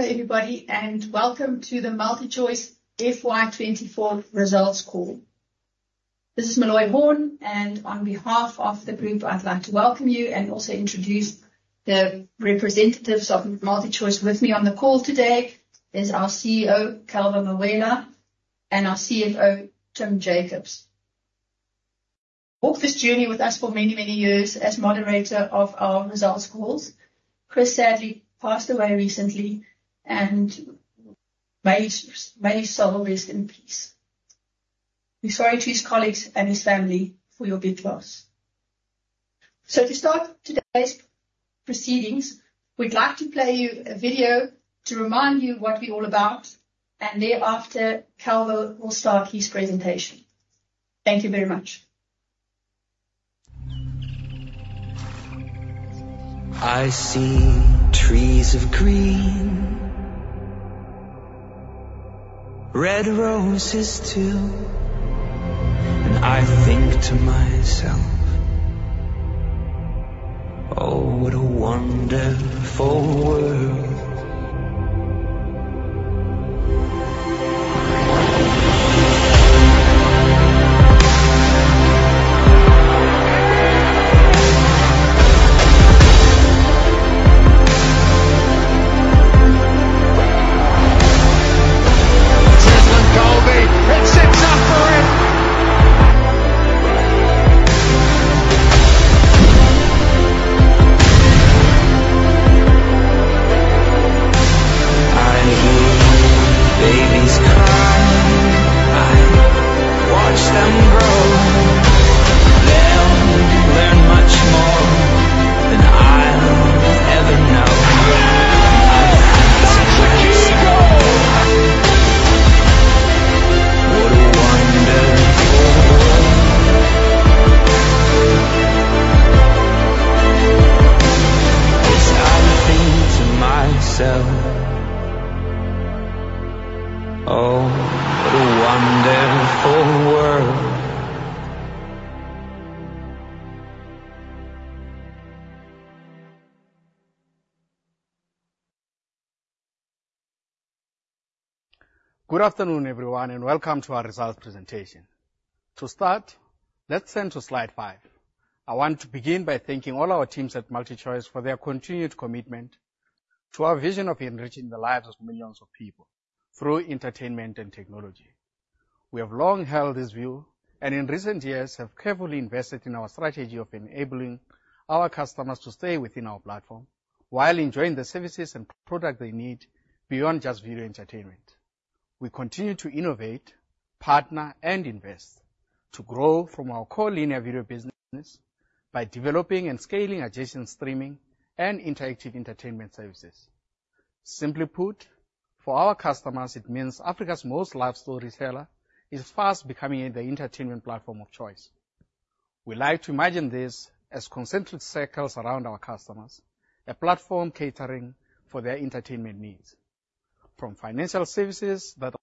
Hello everybody and welcome to the MultiChoice FY24 results call. This is Meloy Horn and on behalf of the group, I'd like to welcome you and also introduce the representatives of MultiChoice. With me on the call today is our CEO Calvo Mawela and our CFO Tim Jacobs. Walk this journey with us for many, many years as moderator of our results calls. Chris sadly passed away recently and may his soul rest in peace. We're sorry to his colleagues and his family for your big loss. To start today's proceedings, we'd like to play you a video to remind you what we're all about and thereafter, Calvo will start his presentation. Thank you very much. I see trees of green, red roses too, and I think to myself. Oh. What a wonderful world. It sits up for him. I watch them grow. They learn much more than I. Oh, what a wonderful world. Good afternoon everyone and welcome to our results presentation. To start, let's turn to slide 5. I want to begin by thanking all our teams at MultiChoice for their continued commitment to our vision of enriching the lives of millions of people through entertainment and technology. We have long held this view and in recent years have carefully invested in our strategy of enabling our customers to stay within our platform while enjoying the services and product they need. Beyond just video entertainment, we continue to innovate, partner and invest to grow from our core linear video business by developing and scaling adjacent streaming and interactive entertainment services. Simply put, for our customers, it means Africa's most loved storyteller is fast becoming the entertainment platform of choice. We like to imagine this as concentric circles around our customers. A platform catering for their entertainment needs from financial services that.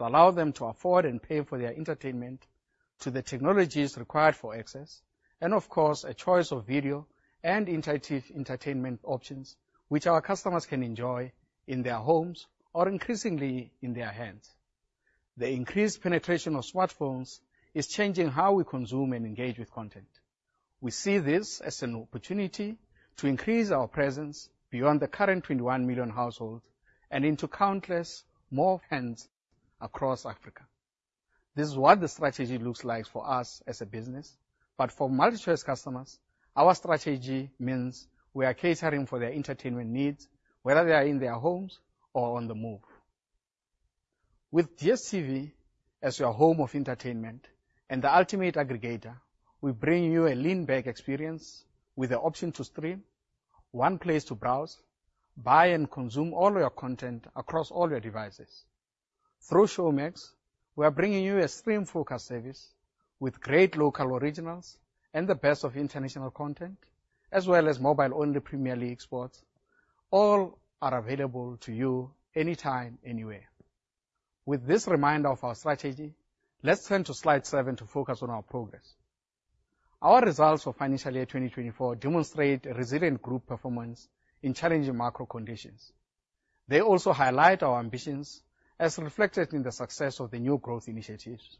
Allow them to afford and pay for their entertainment to the technologies required for access and of course a choice of video and interactive entertainment options which our customers can enjoy in their homes or increasingly in their hands. The increased penetration of smartphones is changing how we consume and engage with content. We see this as an opportunity to increase our presence beyond the current 21 million households and into countless more fans across Africa. This is what the strategy looks like for us as a business. But for MultiChoice customers, our strategy means we are catering for their entertainment needs whether they are in their homes or on the move. With DStv as your home of entertainment and the ultimate aggregator, we bring you a lean back experience with the option to stream one place to browse, buy and consume all your content across all your devices. Through Showmax, we are bringing you a stream focused service with great local originals and the best of international content as well as mobile only Premier League sports. All are available to you anytime, anywhere. With this reminder of our strategy, let's turn to Slide 7 to focus on our progress. Our results for financial year 2024 demonstrate resilient group performance in challenging macro conditions. They also highlight our ambitions as reflected in the success of the new growth initiatives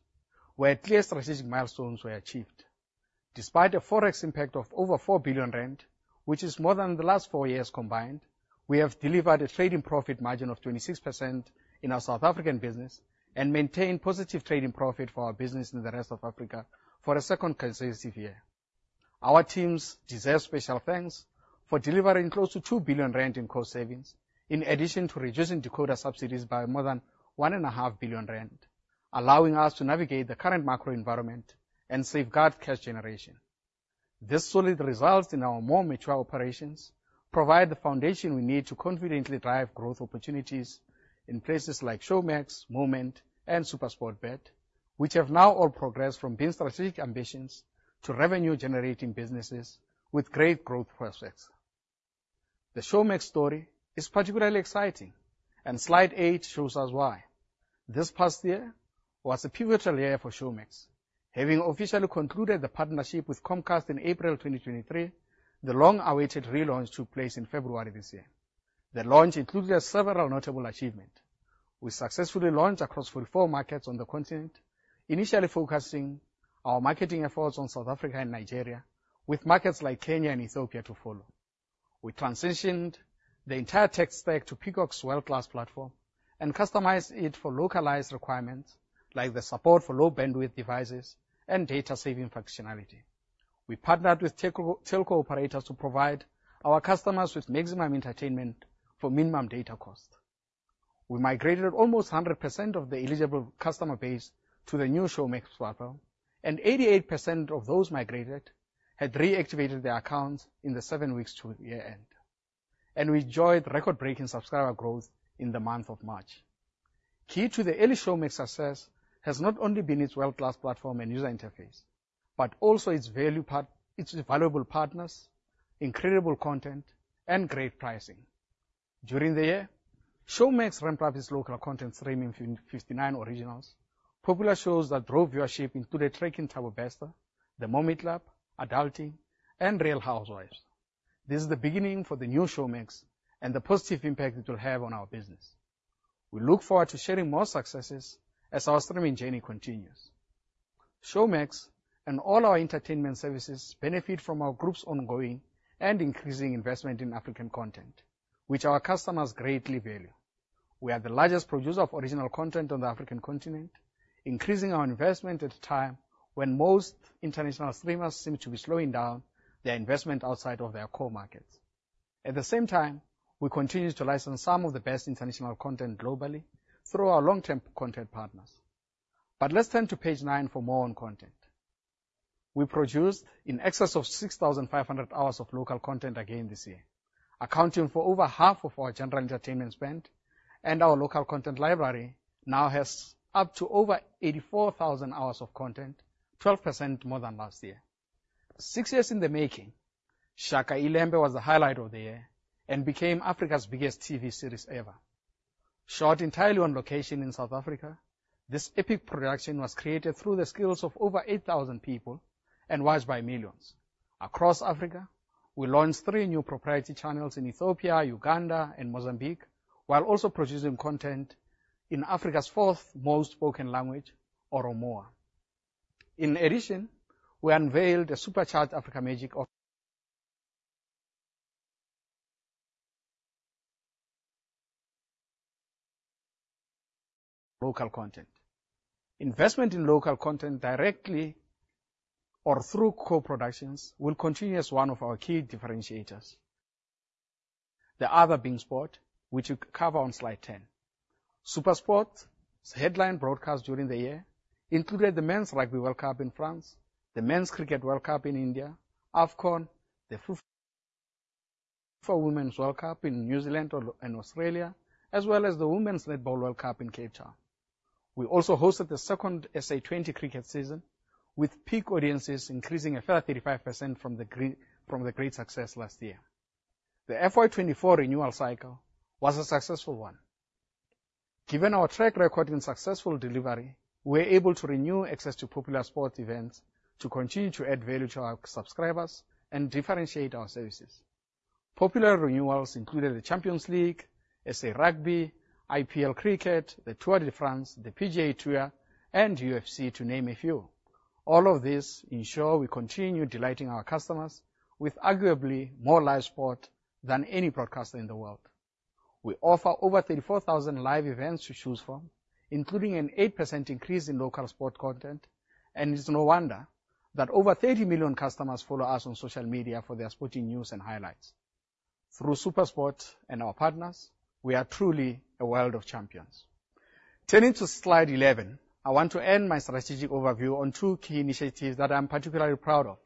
where clear strategic milestones were achieved. Despite a forex impact of over 4 billion rand, which is more than the last four years combined, we have delivered a trading profit margin of 26% in our South African business and maintained positive trading profit for our business in the rest of Africa for a second consecutive year. Our teams deserve special thanks for delivering close to 2 billion rand in cost savings in addition to reducing decoder subsidies by more than 1.5 billion rand, allowing us to navigate the current macro environment and safeguard cash generation. This solid results in our more mature operations provide the foundation we need to confidently drive growth opportunities in places like Showmax, Moment and SuperSportBet, which have now all progressed from being strategic ambitions to revenue generating businesses with great growth prospects. The Showmax story is particularly exciting and slide 8 shows us why. This past year was a pivotal year for Showmax. Having officially concluded the partnership with Comcast in April 2023, the long awaited relaunch took place in February this year. The launch included several notable achievements. We successfully launched across 44 markets on the continent, initially focusing our marketing efforts on South Africa and Nigeria with markets like Kenya and Ethiopia to follow. We transitioned the entire tech stack to Peacock's world class platform and customized it for localized requirements like the support for low bandwidth devices and data saving functionality. We partnered with telco operators to provide our customers with maximum entertainment for minimum data cost. We migrated almost 100% of the eligible customer base to the new Showmax platform and 88% of those migrated had reactivated their accounts in the seven weeks to year end and we enjoyed record breaking subscriber growth in the month of March. Key to the early Showmax success has not only been its world-class platform and user interface but also its value part, its valuable partners, incredible content and great pricing. During the year, Showmax ramp up its local content streaming 59 originals popular shows that drove viewership into the Tracking Thabo Bester, The Mommy Club, Adulting and Real Housewives. This is the beginning for the new Showmax and the positive impact it will have on our business. We look forward to sharing more successes as our streaming journey continues. Showmax and all our entertainment services benefit from our group's ongoing and increasing investment in African content which our customers greatly value. We are the largest producer of original content on the African continent, increasing our investment at a time when most international streamers seem to be slowing down their investment outside of their core markets. At the same time, we continue to license some of the best international content globally through our long term content partners. But let's turn to page 9 for more on content we produced in excess of 6,500 hours of local content again this year, accounting for over half of our general entertainment spend. And our local content library now has up to over 84,000 hours of content, 12% more than last year. Six years in the making, Shaka iLembe was the highlight of the year and became Africa's biggest TV series ever. Shot entirely on location in South Africa, this epic production was created through the skills of over 8,000 people and watched by millions across Africa. We launched three new proprietary channels in Ethiopia, Uganda and Mozambique while also producing content in Africa's fourth most spoken language, Oromo. In addition, we unveiled the Supercharged Africa Magic. Local Content. Investment in local content directly or through co-productions will continue as one of our key differentiators, the other being sport which we cover on slide 10. SuperSport headline broadcasts during the year included the Men's Rugby World Cup in France, the Men's Cricket World Cup in India, AFCON, the fourth Women's World Cup in New Zealand and Australia, as well as the Women's Netball World Cup in Cape Town. We also hosted the second SA20 cricket season with peak audiences increasing by 35% from the great success last year. The FY24 renewal cycle was a successful one given our track record in successful delivery. We were able to renew access to popular sports events to continue to add value to our subscribers and differentiate our services. Popular renewals included the Champions League, SA Rugby, IPL Cricket, the Tour de France, the PGA Tour and UFC to name a few. All of this ensure we continue delighting our customers with arguably more live sport than any broadcaster in the world. We offer over 34,000 live events to choose from, including an 8% increase in local sport content and it's no wonder that over 30 million customers follow us on social media for their sporting news and highlights. Through SuperSport and our partners, we are truly a world of champions. Turning to slide 11, I want to end my strategic overview on two key initiatives that I am particularly proud of.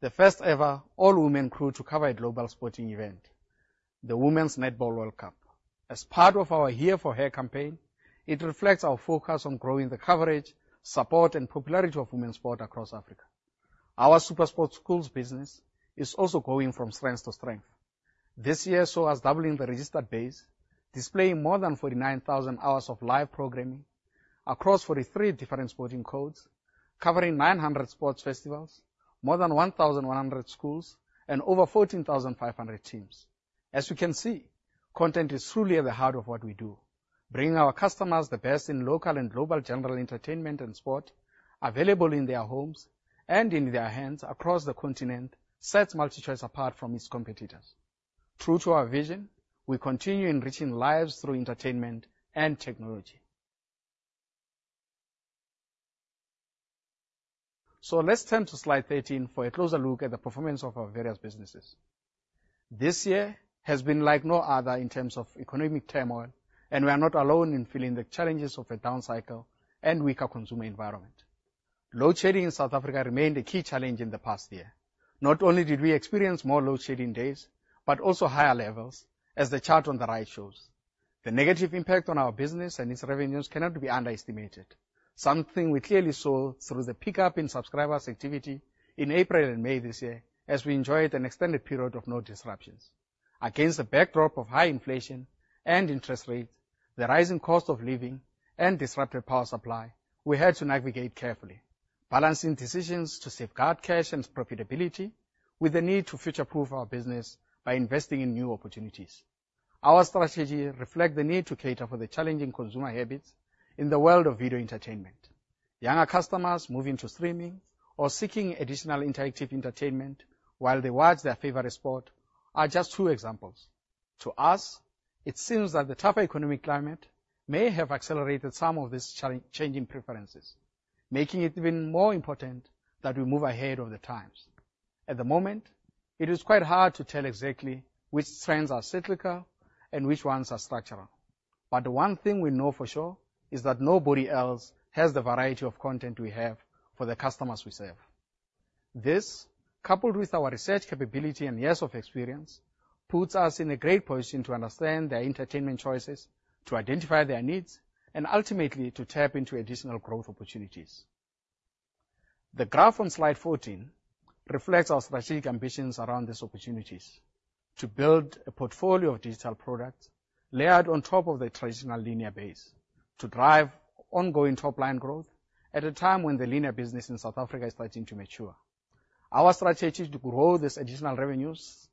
The first ever all women crew to cover a global sporting event, the Women's Netball World Cup, as part of our Here for Her campaign. It reflects our focus on growing the coverage, support and popularity of women's sport across Africa. Our SuperSport Schools business is also going from strength to strength. This year saw us doubling the registered base, displaying more than 49,000 hours of live programming across 43 different sporting codes, covering 900 sports festivals, more than 1,100 schools and over 14,500 teams. As you can see, content is truly at the heart of what we do. Bringing our customers the best in local and global general entertainment and sport available in their homes and in their hands across the continent sets MultiChoice apart from its competitors. True to our vision, we continue enriching lives through entertainment and technology. So let's turn to slide 13 for a closer look at the performance of our various businesses. This year has been like no other in terms of economic turmoil and we are not alone in feeling the challenges of a down cycle and weaker consumer environment. Load shedding in South Africa remained a key challenge in the past year. Not only did we experience more load shedding days, but also higher levels. As the chart on the right shows, the negative impact on our business and its revenues cannot be underestimated, something we clearly saw through the pickup in subscribers activity in April and May this year as we enjoyed an extended period of no disruptions. Against the backdrop of high inflation and interest rates, the rising cost of living and disrupted power supply, we had to navigate carefully balancing decisions to safeguard cash and profitability with the need to future proof our business by investing in new opportunities. Our strategy reflects the need to cater for the challenging consumer habits in the world of video entertainment. Younger customers moving to streaming or seeking additional interactive entertainment while they watch their favorite sport are just two examples. To us, it seems that the tougher economic climate may have accelerated some of these changing preferences, making it even more important that we move ahead of the times. At the moment, it is quite hard to tell exactly which trends are cyclical and which ones are structural, but one thing we know for sure is that nobody else has the variety of content we have for the customers we serve. This, coupled with our research capability and years of experience, puts us in a great position to understand their entertainment choices, to identify their needs and ultimately to tap into additional growth opportunities. The graph on Slide 14 reflects our strategic ambitions around these opportunities to build a portfolio of digital products layered on top of the traditional linear base to drive ongoing top line growth. At a time when the linear business in South Africa is starting to mature, our strategy to grow these additional revenues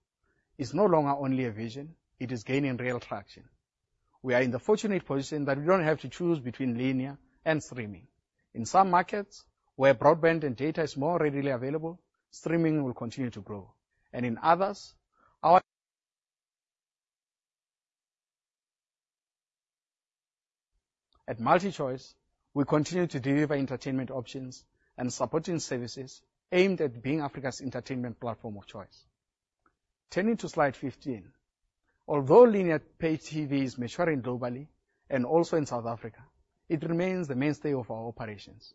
is no longer only a vision, it is gaining real traction. We are in the fortunate position that we don't have to choose between linear and streaming. In some markets where broadband and data is more readily available, streaming will continue to grow and in others. At MultiChoice we continue to deliver entertainment options and supporting services aimed at being Africa's entertainment platform of choice. Turning to Slide 15 although linear pay TV is maturing globally and also in South Africa, it remains the mainstay of our operations.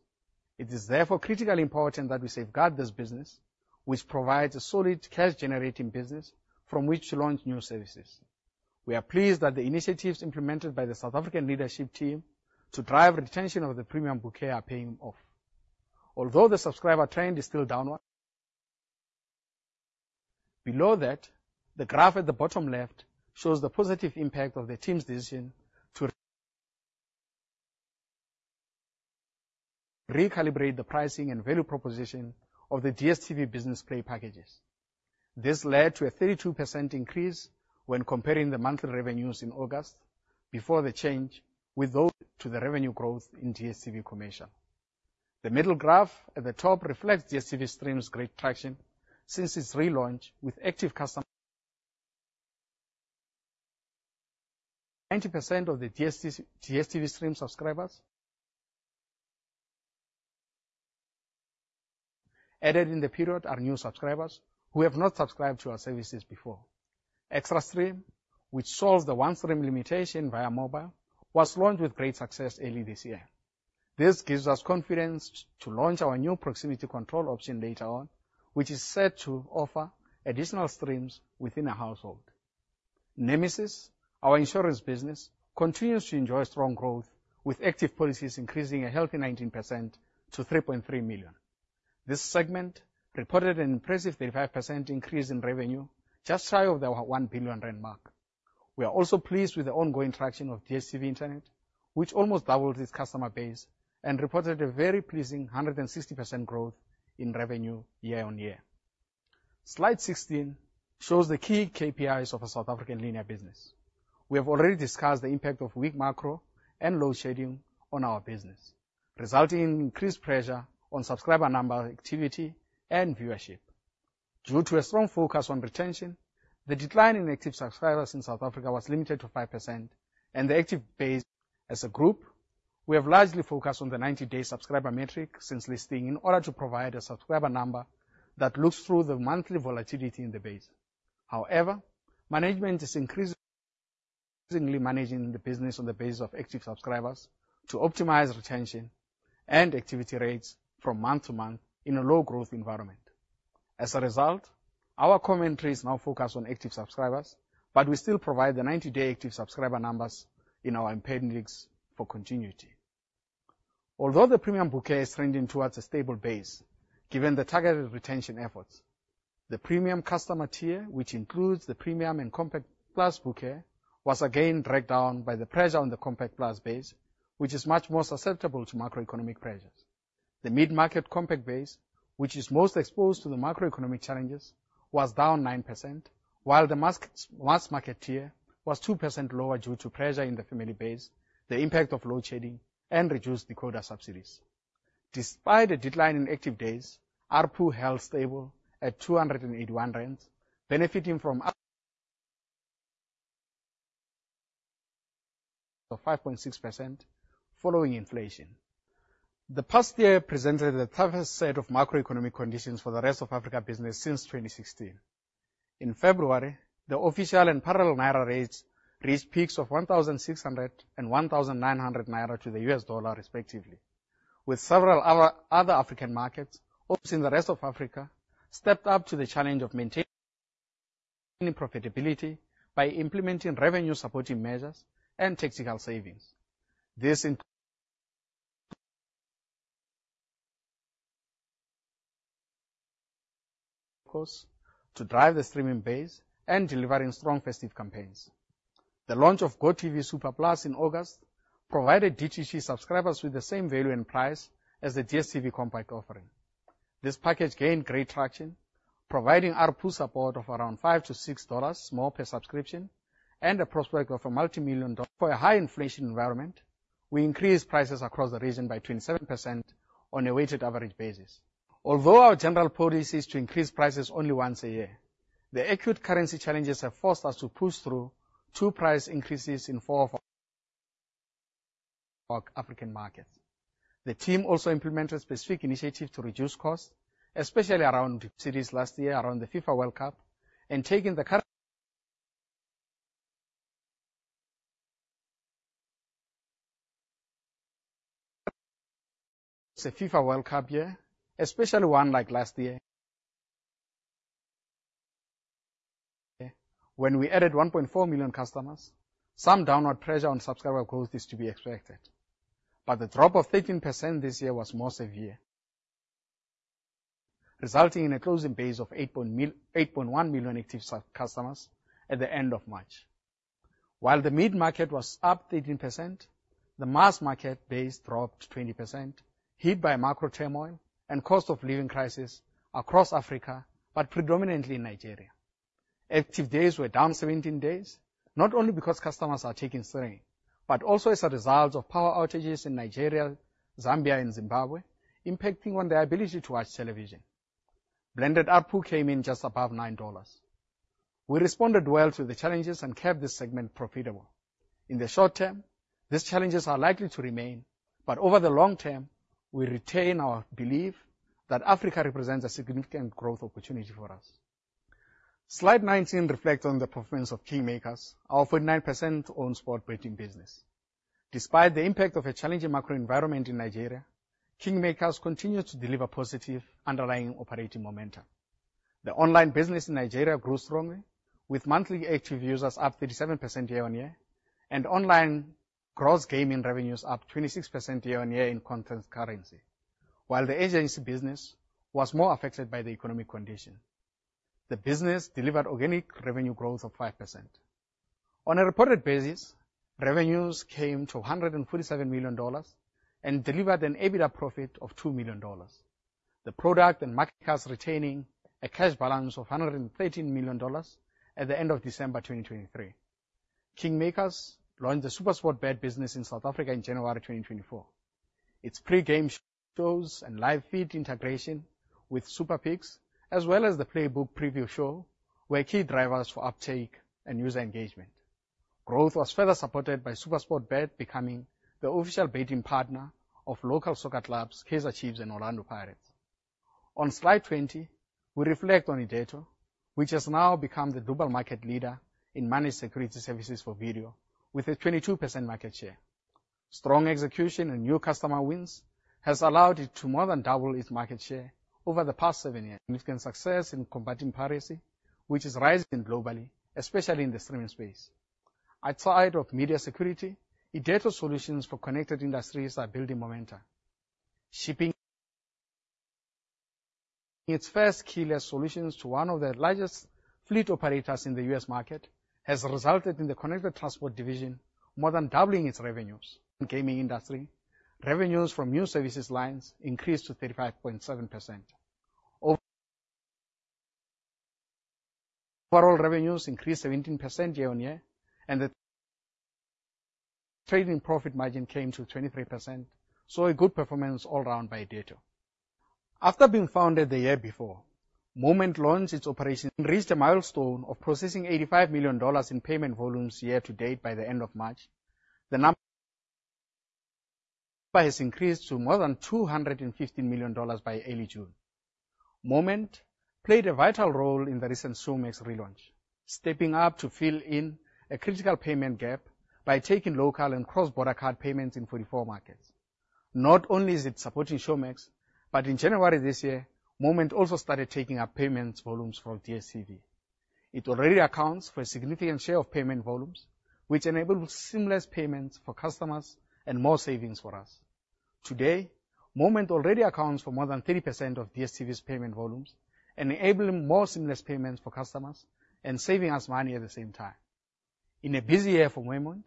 It is therefore critically important that we safeguard this business which provides a solid cash generating business from which to launch new services. We are pleased that the initiatives implemented by the South African leadership team to drive retention of the premium bouquet are paying off, although the subscriber trend is still downward. Below that, the graph at the bottom left shows the positive impact of the team's decision to recalibrate the pricing and value proposition of the DStv Business Play packages. This led to a 32% increase when comparing the monthly revenues in August before the change with those to the revenue growth in DStv Commercial. The middle graph at the top reflects DStv Stream's great traction since its relaunch with active customers. 90% of the DStv Stream subscribers added in the period are new subscribers who have not subscribed to our services before. Extra Stream, which solves the one-stream limitation via mobile, was launched with great success early this year. This gives us confidence to launch our new Proximity Control option later on which is set to offer additional streams within a household. NMSIS. Our insurance business continues to enjoy strong growth with active policies increasing a healthy 19% to 3.3 million. This segment reported an impressive 35% increase in revenue, just shy of the 1 billion rand mark. We are also pleased with the ongoing traction of DStv Internet, which almost doubled its customer base and reported a very pleasing 160% growth in revenue year-on-year. Slide 16 shows the key KPIs of a South African linear business. We have already discussed the impact of weak macro and load shedding on our business, resulting in increased pressure on subscriber number, activity and viewership. Due to a strong focus on retention, the decline in active subscribers in South Africa was limited to 5% and the active base. As a group we have largely focused on the 90-day subscriber metric since listing in order to provide a subscriber number that looks through the monthly volatility in the base. However, management is increasingly managing the business on the basis of active subscribers to optimize retention and activity rates from month to month in a low growth environment. As a result, our commentaries now focus on active subscribers, but we still provide the 90-day active subscriber numbers in our results for continuity. Although the premium bouquet is trending towards a stable base given the targeted retention efforts, the premium customer tier which includes the premium and compact bouquet was again dragged down by the pressure on the compact base which is much more susceptible to macroeconomic pressures. The Mid Market compact base which is most exposed to the macroeconomic challenges was down 9% while the mass market tier was 2% lower due to pressure in the family base, the impact of load shedding and reduced decoder subsidies. Despite a decline in active days, ARPU held stable at 281 rand, benefiting from 5.6% following inflation. The past year presented the toughest set of macroeconomic conditions for the rest of Africa business since 2016. In February, the official and parallel Naira rates reached peaks of 1,600 and 1,900 naira to the U.S. dollar respectively. With several other African markets opening up, the rest of Africa stepped up to the challenge of maintaining profitability by implementing revenue-supporting measures and technical savings to drive the streaming base and delivering strong festive campaigns. The launch of GOtv Supa+ in August provided GOtv subscribers with the same value and price as the DStv Compact offering. This package gained great traction providing ARPU support of around $5-$6 more per subscription and the prospect of a multi-million-dollar for a high-inflation environment. We increase prices across the region by 27% on a weighted average basis. Although our general policy is to increase prices only once a year, the acute currency challenges have forced us to push through 2 price increases in 4 of our African markets. The team also implemented specific initiatives to reduce costs, especially around costs last year around the FIFA World Cup and taking the current. It's a FIFA World Cup year, especially one like last year when we added 1.4 million customers. Some downward pressure on subscriber growth is to be expected, but the drop of 13% this year was more severe resulting in a closing base of 8.0-8.1 million active customers at the end of March while the mid-market was up 13%. The mass-market base dropped 20%, hit by macro turmoil and cost-of-living crisis across Africa, but predominantly in Nigeria. Active days were down 17 days not only because customers are taking strain, but also as a result of power outages in Nigeria, Zambia and Zimbabwe, impacting on their ability to watch television. Blended ARPU came in just above $9. We responded well to the challenges and kept this segment profitable. In the short term these challenges are likely to remain, but over the long term we retain our belief that Africa represents a significant growth opportunity for us. Slide 19 reflects on the performance of KingMakers, our 49% owned sport betting business. Despite the impact of a challenging macro environment in Nigeria, KingMakers continued to deliver positive underlying operating momentum. The online business in Nigeria grew strongly with monthly active users up 37% year-on-year and online gross gaming revenues up 26% year-on-year in constant currency. While the agency business was more affected by the economic condition, the business delivered organic revenue growth of 5%. On a reported basis, revenues came to $147 million and delivered an EBITDA profit of $2 million. The product and market companies retaining a cash balance of $113 million at the end of December 2023. KingMakers launched the SuperSportBet business in South Africa in January 2024. Its pre game shows and live feed integration with SuperPicks and as well as the Playbook Preview show were key drivers for uptake and user engagement. Growth was further supported by SuperSportBet becoming the official betting partner of local soccer clubs Kaizer Chiefs and Orlando Pirates. On slide 20, we reflect on Irdeto, which has now become the global market leader in managed security services for video with a 22% market share. Strong execution and new customer wins has allowed it to more than double its market share over the past seven years. Significant success in combating piracy, which is rising globally, especially in the streaming space. Outside of media security, Irdeto solutions for connected industries are building momentum. Shipping its first keyless solutions to one of the largest fleet operators in the U.S. market has resulted in the connected transport division more than doubling its revenues. Gaming industry revenues from new services lines increased to 35.7%. Overall revenues increased 17% year-on-year and the trading profit margin came to 23%. Saw a good performance all round by Irdeto. After being founded the year before Moment launched its operations reached a milestone of processing $85 million in payment volumes year to date. By the end of March, the number has increased to more than $215 million by early June. Moment played a vital role in the recent Showmax relaunch, stepping up to fill in a critical payment gap by taking local and cross-border card payments in 44 markets. Not only is it supporting Showmax, but in January this year Moment also started taking up payment volumes for DStv. It already accounts for a significant share of payment volumes which enable seamless payments for customers and more savings for us. Today, Moment already accounts for more than 30% of DStv's payment volumes, enabling more seamless payments for customers and saving us money at the same time. In a busy year for Moment,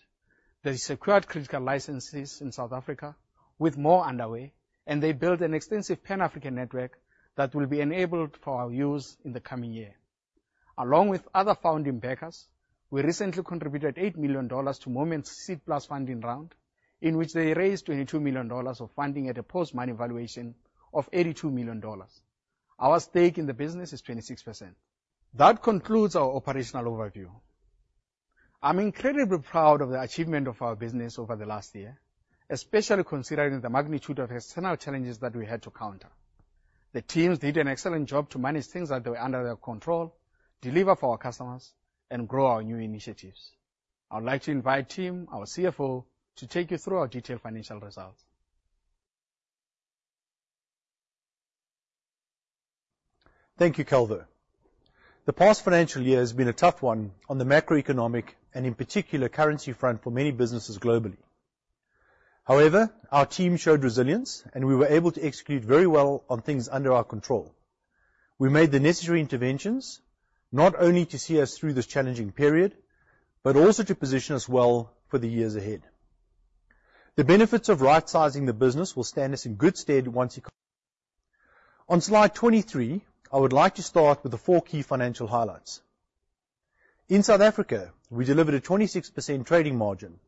they secured critical licenses in South Africa with more underway, and they built an extensive Pan African network that will be enabled for our use in the coming year. Along with other founding backers, we recently contributed $8 million to Moment's seed plus funding round in which they raised $22 million of funding at a post money valuation of $82 million. Our stake in the business is 26%. That concludes our operational overview. I'm incredibly proud of the achievement of our business over the last year, especially considering the magnitude of external challenges that we had to counter. The teams did an excellent job to manage things that were under their control, deliver for our customers and grow our new initiatives. I would like to invite Tim, our CFO, to take you through our detailed financial results. Thank you, Calvo. The past financial year has been a tough one on the macroeconomic and, in particular, currency front for many businesses globally. However, our team showed resilience and we were able to execute very well on things under our control. We made the necessary interventions not only to see us through this challenging period, but also to position us well for the years ahead. The benefits of rightsizing the business will stand us in good stead. Once you're on slide 23, I would like to start with the four key financial highlights. In South Africa, we delivered a 26% trading margin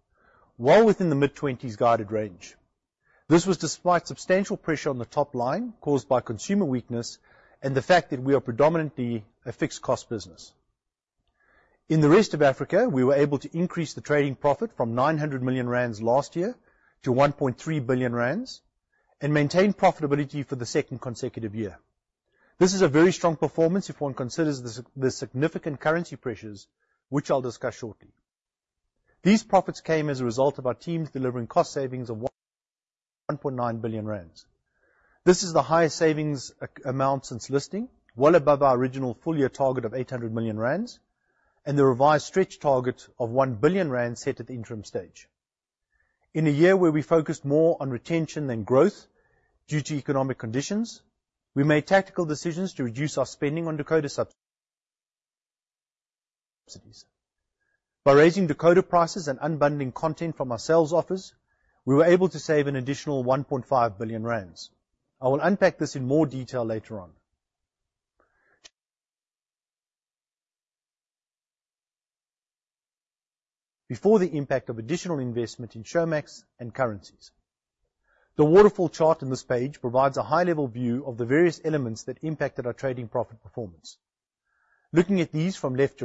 while within the mid-20s guided range. This was despite substantial pressure on the top line caused by consumer weakness and the fact that we are predominantly a fixed cost business. In the rest of Africa we were able to increase the Trading Profit from 900 million rand last year to 1.3 billion rand and maintain profitability for the second consecutive year. This is a very strong performance if one considers the significant currency pressures which I'll discuss shortly. These profits came as a result of our teams delivering cost savings of 1.9 billion rand. This is the highest savings amount since listing well above our original full year target of 800 million rand and the revised stretch target of 1 billion rand set at the interim stage. In a year where we focused more on retention than growth due to economic conditions, we made tactical decisions to reduce our spending on decoder subsidies. By raising decoder prices and unbundling content from our sales offers, we were able to save an additional 1.5 billion rand. I will unpack this in more detail later on. Before the impact of additional investment in Showmax and currencies. The waterfall chart in this page provides a high level view of the various elements that impacted our trading profit performance. Looking at these from left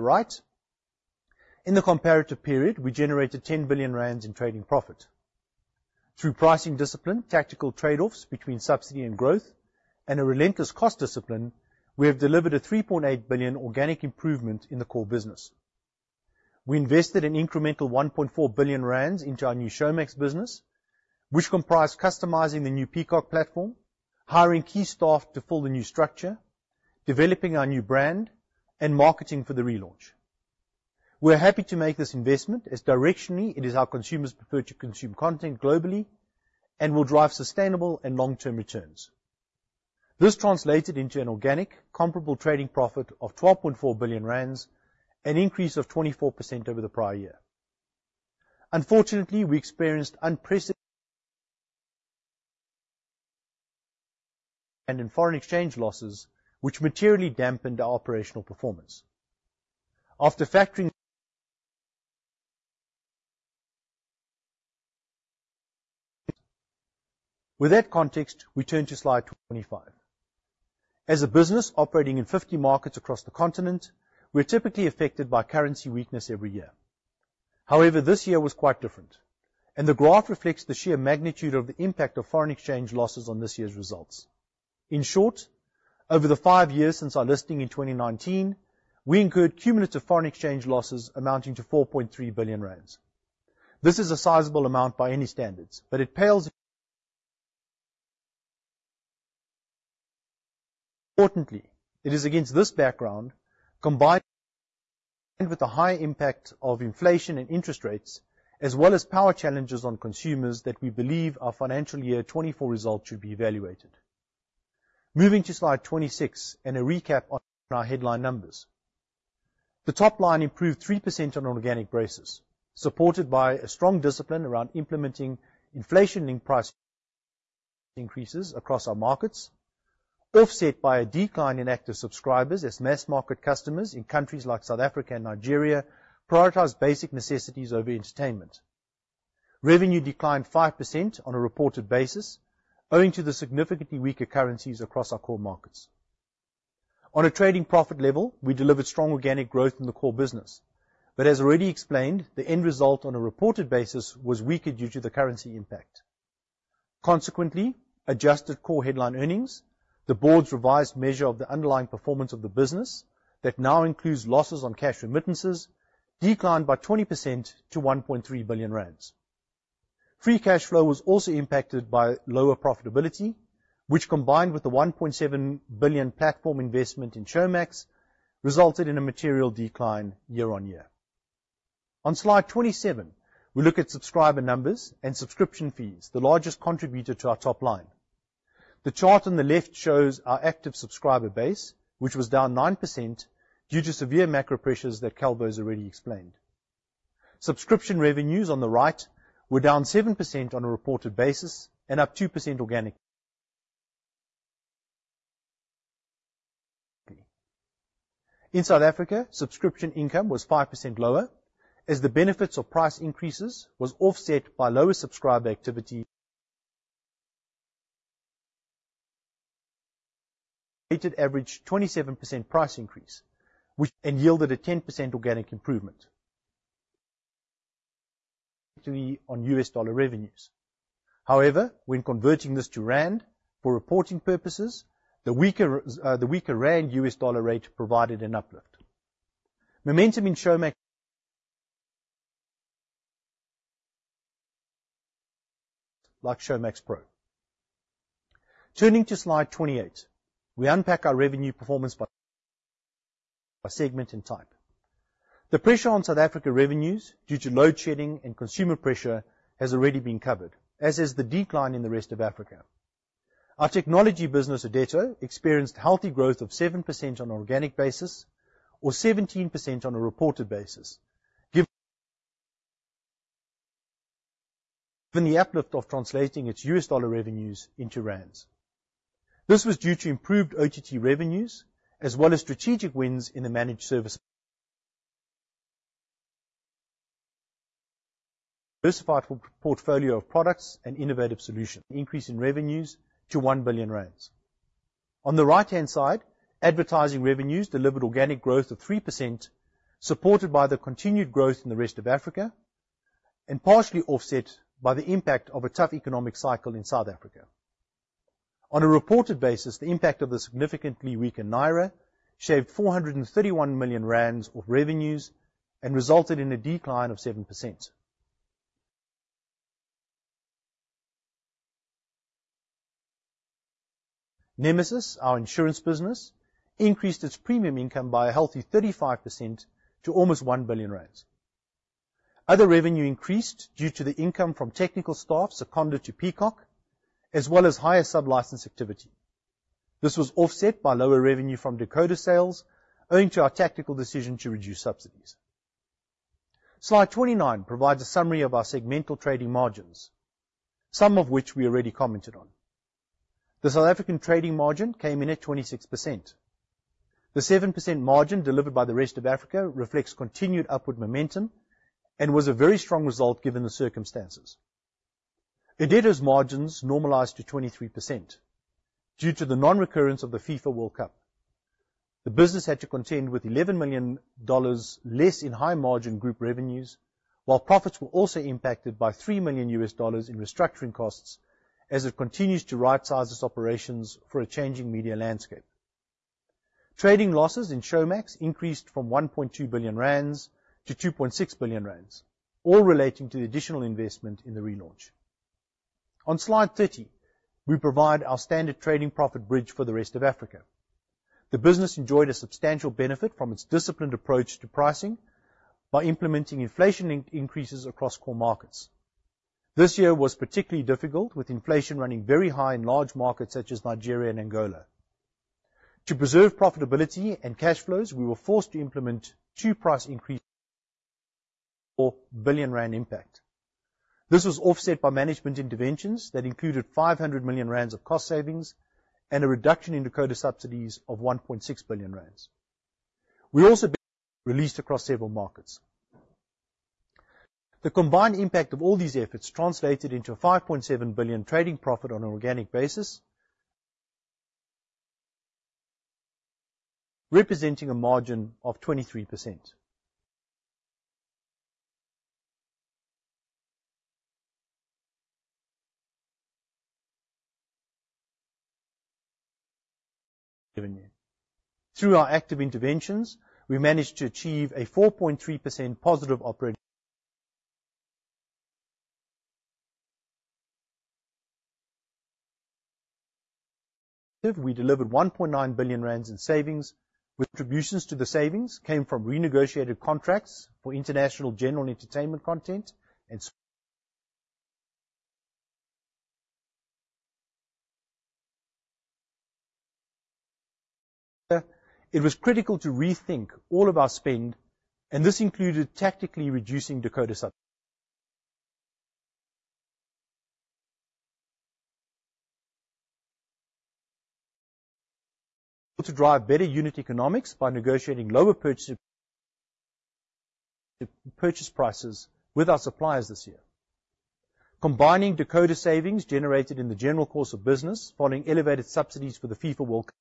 to right, in the comparative period we generated 10 billion rand in trading profit. Through pricing discipline, tactical trade offs between subsidy and growth, and a relentless cost discipline, we have delivered a 3.8 billion organic improvement in the core business. We invested an incremental 1.4 billion rand into our new Showmax business which comprise customizing the new Peacock platform, hiring key staff to fill the new structure, developing our new brand and marketing for the relaunch. We are happy to make this investment as directionally it is how consumers prefer to consume content globally and will drive sustainable and long term returns. This translated into an organic comparable trading profit of 12.4 billion rand, an increase of 24% over the prior year. Unfortunately, we experienced unprecedented demand in foreign exchange losses which materially dampened our operational performance. After factoring. With that context, we turn to slide 25. As a business operating in 50 markets across the continent, we're typically affected by currency weakness every year. However, this year was quite different and the graph reflects the sheer magnitude of the impact of foreign exchange losses on this year's results. In short, over the five years since our listing in 2019, we incurred cumulative foreign exchange losses amounting to 4.3 billion rand. This is a sizeable amount by any standards, but it pales in comparison Importantly, it is against this background, combined with the high impact of inflation and interest rates as well as power challenges on consumers that we believe our financial year 2024 result should be evaluated. Moving to slide 26 and a recap on our headline numbers. The top line improved 3% on an organic basis supported by a strong discipline around implementing inflation price increases across our markets offset by a decline in active subscribers as mass market customers in countries like South Africa and Nigeria prioritized basic necessities over entertainment. Revenue declined 5% on a reported basis owing to the significantly weaker currencies across our core markets. On a trading profit level, we delivered strong organic growth in the core business, but as already explained, the end result on a reported basis was weaker due to the currency impact. Consequently, adjusted core headline earnings, the Board's revised measure of the underlying performance of the business that now includes losses on cash remittances, declined by 20% to 1.3 billion rand. Free cash flow was also impacted by lower profitability which combined with the 1.7 billion platform investment in Showmax, resulted in a material decline year-on-year. On slide 27 we look at subscriber numbers and subscription fees. The largest contributor to our top line, the chart on the left shows our active subscriber base which was down 9% due to severe macro pressures that Calvo has already explained. Subscription revenues on the right were down 7% on a reported basis and up 2% organically. In South Africa, subscription income was 5% lower as the benefits of price increases was offset by lower subscriber activity. Weighted average 27% price increase and yielded a 10% organic improvement on U.S. dollar revenues. However, when converting this to rand for reporting purposes, the weaker rand U.S. dollar rate provided an uplift momentum in Showmax. Like Showmax Pro turning to slide 28, we unpack our revenue performance by segment and type. The pressure on South Africa revenues due to load shedding and consumer pressure has already been covered as has the decline in the rest of Africa. Our technology business Irdeto experienced healthy growth of 7% on an organic basis or 17% on a reported basis given. The. Uplift of translating its U.S. dollar revenues into rand. This was due to improved OTT revenues as well as strategic wins in the managed service. Diversified portfolio of products and innovative solutions. Increase in revenues to 1 billion rand. On the right hand side, advertising revenues delivered organic growth of 3% supported by the continued growth in the rest of Africa and partially offset by the impact of a tough economic cycle in South Africa. On a reported basis, the impact of the significantly weaker Naira shaved 431 million rand of revenues and resulted in a decline of 7%. NMSIS, our insurance business increased its premium income by a healthy 35% to almost 1 billion rand. Other revenue increased due to the income from technical staff seconded to Peacock as well as higher sublicense activity. This was offset by lower revenue from decoder sales owing to our tactical decision to reduce subsidies. Slide 29 provides a summary of our segmental trading margins, some of which we already commented on. The South African trading margin came in at 26%. The 7% margin delivered by the rest of Africa reflects continued upward momentum and was a very strong result given the circumstances. Irdeto's margins normalised to 23% due to the non-recurrence of the FIFA World Cup. The business had to contend with $11 million less in high-margin group revenues while profits were also impacted by $3 million in restructuring costs as it continues to rightsize its operations for a changing media landscape. Trading losses in Showmax increased from 1.2 billion rand to 2.6 billion rand all relating to the additional investment in the relaunch on slide 30. We provide our standard trading profit bridge for the rest of Africa. The business enjoyed a substantial benefit from its disciplined approach to pricing by implementing inflation increases across core markets. This year was particularly difficult with inflation running very high in large markets such as Nigeria and Angola. To preserve profitability and cash flows, we were forced to implement 2 price increase billion rand impact. This was offset by management interventions that included 500 million rand of cost savings and a reduction in decoder subsidies of 1.6 billion rand. We also released across several markets. The combined impact of all these efforts translated into a 5.7 billion trading profit on an organic basis, representing a margin of 23%. Through our active interventions, we managed to achieve a 4.3% positive operating. We delivered 1.9 billion rand in savings. Contributions to the savings came from renegotiated contracts for international general entertainment content and. It was critical to rethink all of our spend and this included tactically reducing decoder subsidies. To drive better unit economics by negotiating lower purchase prices with our suppliers. This year, combining decoder savings generated in the general course of business following elevated subsidies for the FIFA World Cup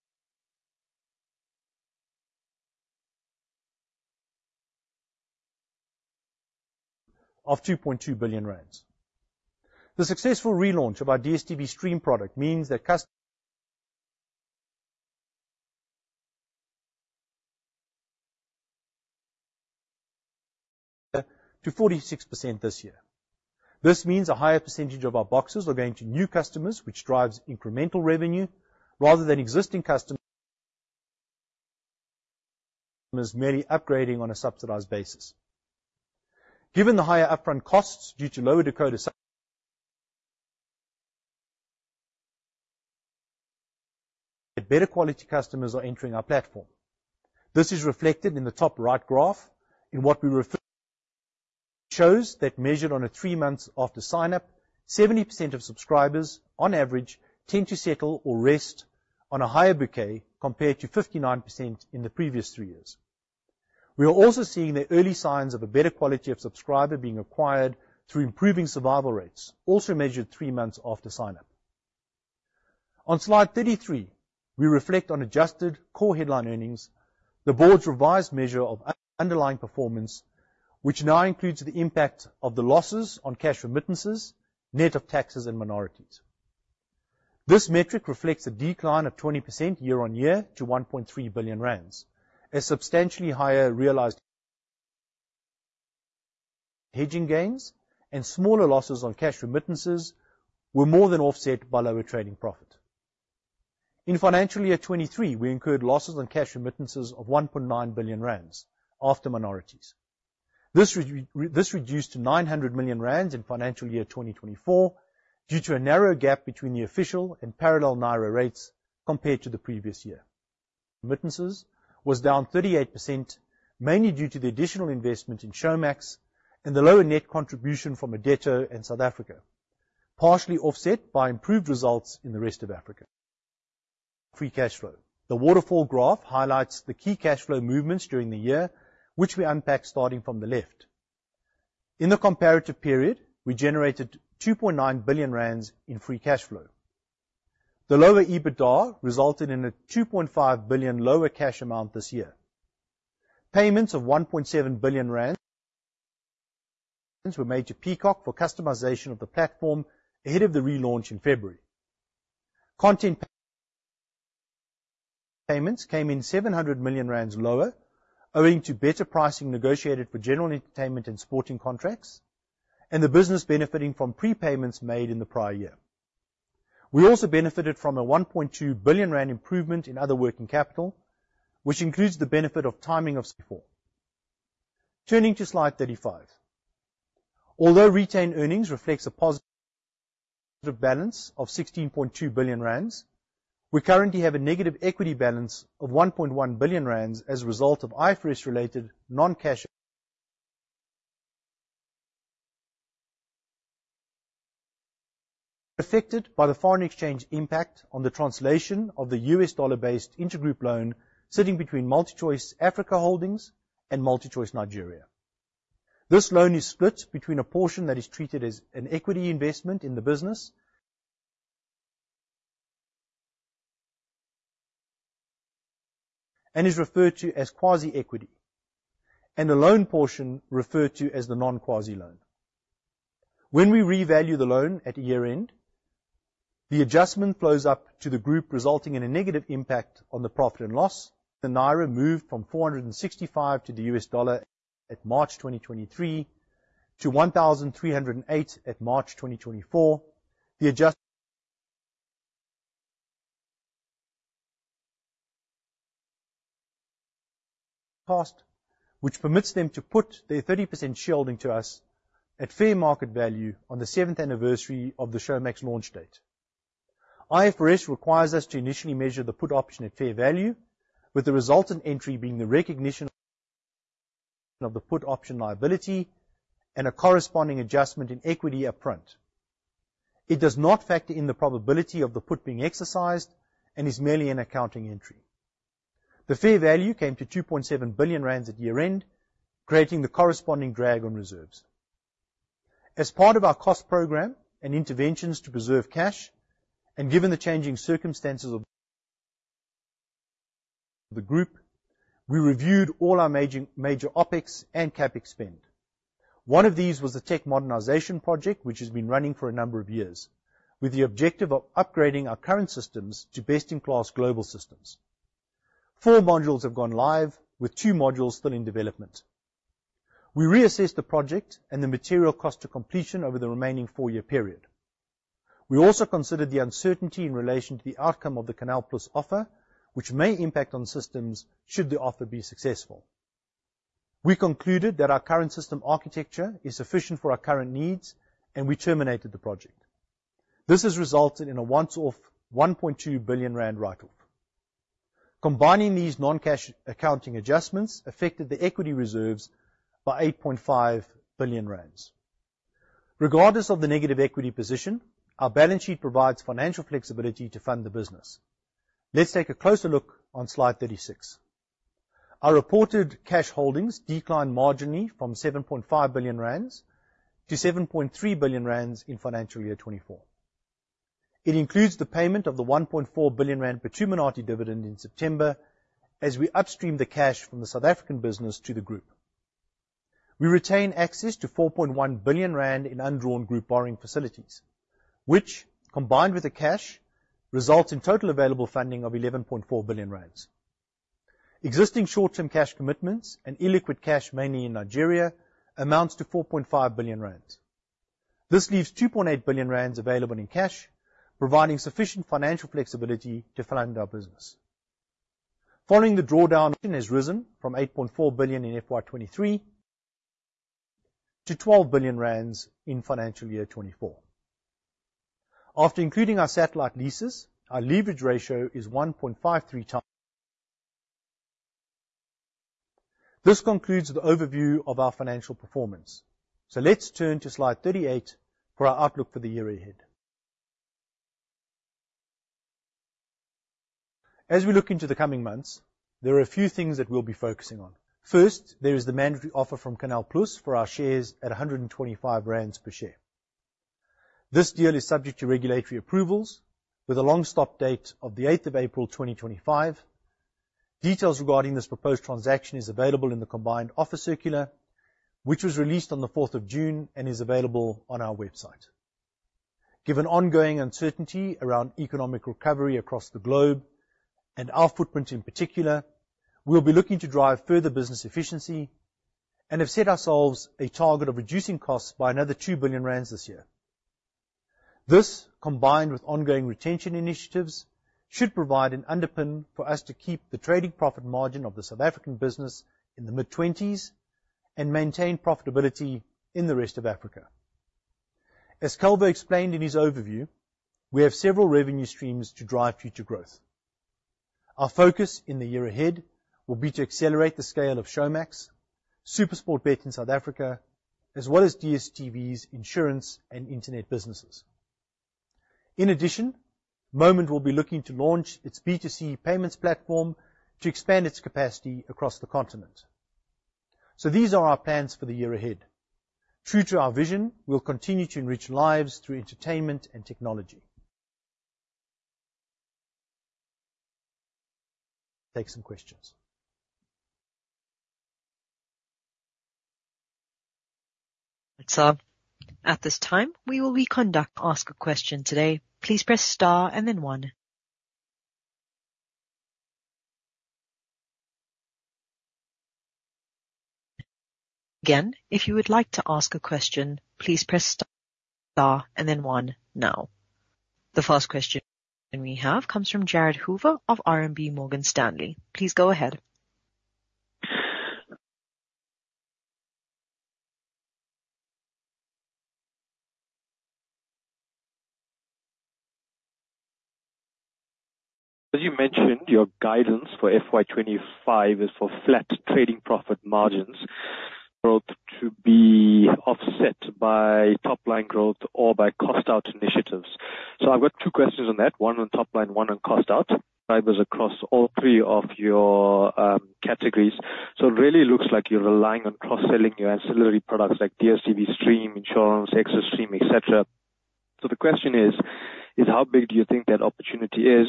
of 2.2 billion rand, the successful relaunch of our DStv Stream product means that customers to 46% this year. This means a higher percentage of our boxes are going to new customers which drives incremental revenue rather than existing customers merely upgrading on a subsidized basis. Given the higher upfront costs due to lower decoder, better quality customers are entering our platform. This is reflected in the top right graph in what we refer shows that measured on the three months after sign up, 70% of subscribers on average tend to settle or rest on a higher bouquet compared to 59% in the previous three years. We are also seeing the early signs of a better quality of subscriber being acquired through improving survival rates also measured three months after sign up. On slide 33, we reflect on adjusted core headline earnings, the Board's revised measure of underlying performance which now includes the impact of the losses on cash remittances net of taxes and minorities. This metric reflects a decline of 20% year-on-year to 1.3 billion rand. A substantially higher realized hedging gains and smaller losses on cash remittances were more than offset by lower trading profit. In financial year 2023, we incurred losses on cash remittances of 1.9 billion rand after minorities. This reduced to 900 million rand in financial year 2024 due to a narrow gap between the official and parallel Naira rates compared to the previous year. Remittances was down 38% mainly due to the additional investment in Showmax and the lower net contribution from Irdeto and South Africa, partially offset by improved results in the rest of Africa. Free Cash Flow. The waterfall graph highlights the key cash flow movements during the year which we unpacked. Starting from the left in the comparative period, we generated 2.9 billion rand in free cash flow. The lower EBITDA resulted in a 2.5 billion lower cash amount this year. Payments of 1.7 billion rand were made to Peacock for customization of the platform ahead of the relaunch in February. Content payments came in 700 million rand lower owing to better pricing negotiated for general entertainment and sporting contracts and the business benefiting from prepayments made in the prior year. We also benefited from a 1.2 billion rand improvement in other working capital which includes the benefit of timing of cash flow turning to slide 35 although retained earnings reflects a positive balance of 16.2 billion rand. We currently have a negative equity balance of 1.1 billion rand as a result of IFRS-related non-cash affected by the foreign exchange impact on the translation of the US dollar-based intergroup loan sitting between MultiChoice Africa Holdings and MultiChoice Nigeria. This loan is split between a portion that is treated as an equity investment in the business and is referred to as quasi-equity and a loan portion referred to as the non-quasi loan. When we revalue the loan at year-end, the adjustment flows up to the group, resulting in a negative impact on the profit and loss. The naira moved from 465 to the U.S. dollar at March 2023 to 1,308 at March 2024. The adjustment, which permits them to put their 30% shareholding to us at fair market value on the seventh anniversary of the Showmax launch date. IFRS requires us to initially measure the put option at fair value with the resultant entry being the recognition of the put option liability and a corresponding adjustment in equity upfront. It does not factor in the probability of the put being exercised and is merely an accounting entry. The fair value came to 2.7 billion rand at year-end, creating the corresponding drag on reserves. As part of our cost program and interventions to preserve cash and given the changing circumstances of the group, we reviewed all our major OpEx and CapEx spend. One of these was the Tech Modernisation project which has been running for a number of years with the objective of upgrading our current systems to best-in-class global systems. Four modules have gone live with two modules still in development. We reassessed the project and the material cost to completion over the remaining four-year period. We also considered the uncertainty in relation to the outcome of the CANAL+ offer which may impact on systems should the offer be successful. We concluded that our current system architecture is sufficient for our current needs and we terminated the project. This has resulted in a once-off 1.2 billion rand write-off. Combining these non-cash accounting adjustments affected the equity reserves by 8.5 billion rand. Regardless of the negative equity position, our balance sheet provides financial flexibility to fund the business. Let's take a closer look on slide 36. Our reported cash holdings declined marginally from 7.5 billion rand to 7.3 billion rand in financial year 2024. It includes the payment of the 1.4 billion rand Phuthuma Nathi dividend in September. As we upstream the cash from the South African business to the group, we retain access to 4.1 billion rand in undrawn group borrowing facilities which combined with the cash results in total available funding of 11.4 billion rand. Existing short-term cash commitments and illiquid cash mainly in Nigeria amounts to 4.5 billion rand. This leaves 2.8 billion rand available in cash, providing sufficient financial flexibility to fund our business. Following the drawdown has risen from 8.4 billion in FY 2023 to 12 billion rand in financial year 2024. After including our satellite leases, our leverage ratio is 1.53x. This concludes the overview of our financial performance, so let's turn to slide 38 for our outlook for the year ahead. As we look into the coming months, there are a few things that we'll be focusing on. First, there is the mandatory offer from Canal+ for our shares at 125 rand per share. This deal is subject to regulatory approvals with a long stop date of 8th April 2025. Details regarding this proposed transaction is available in the Combined Offer Circular which was released on 4 June and is available on our website. Given ongoing uncertainty around economic recovery across the globe and our footprint in particular, we will be looking to drive further business efficiency and have set ourselves a target of reducing costs by another 2 billion rand this year. This, combined with ongoing retention initiatives, should provide an underpin for us to keep the trading profit margin of the South African business in the mid-20s and maintain profitability in the rest of Africa. As Calvo explained in his overview, we have several revenue streams to drive future growth. Our focus in the year ahead will be to accelerate the scale of Showmax, SuperSportBet in South Africa as well as DStv's insurance and Internet businesses. In addition, Moment will be looking to launch its B2C payments platform to expand its capacity across the continent. So these are our plans for the year ahead. True to our vision, we will continue to enrich lives through entertainment and technology. Take some questions. At this time, we will be conducting Ask a Question today. Please press star and then one. Again, if you would like to ask a question, please press star and then one. Now the first question we have comes from Jared Hoover of RMB Morgan Stanley. Please go ahead. As you mentioned, your guidance for FY25 is for flat trading profit margins growth to be offset by top line growth or by cost out initiatives. So I've got two questions on that. One on top line, one on cost out subscribers across all three of your categories. So it really looks like you're relying on cross selling your ancillary products like DStv Stream, insurance, XtraStream, etc. So the question is, how big do you think that opportunity is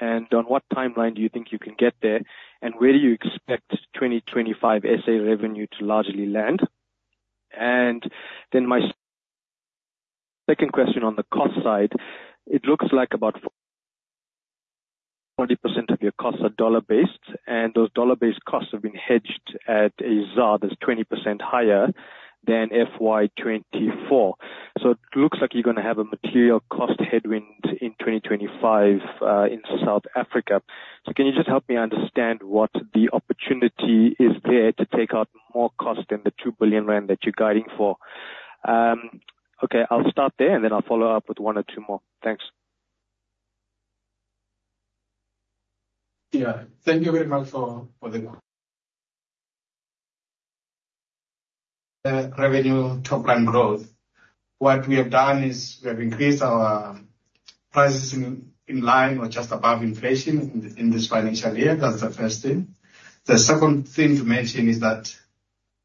and on what timeline do you think you can get there and where do you expect 2025 SA revenue to largely land? And then my second question on the cost side, it looks like about 40% of your costs are dollar based and those dollar based costs have been hedged at a ZAR that's 20% higher than FY24. So it looks like you're going to have a material cost headwind in 2025 in South Africa. So can you just help me understand what the opportunity is there to take out more cost than the 2 billion rand that you're guiding for? Okay, I'll stop there and then I'll follow up with one or two more. Thanks. Yeah, thank you very much for the revenue top line growth. What we have done is we have increased our prices in line or just above inflation in this financial year. That's the first thing. The second thing to mention is that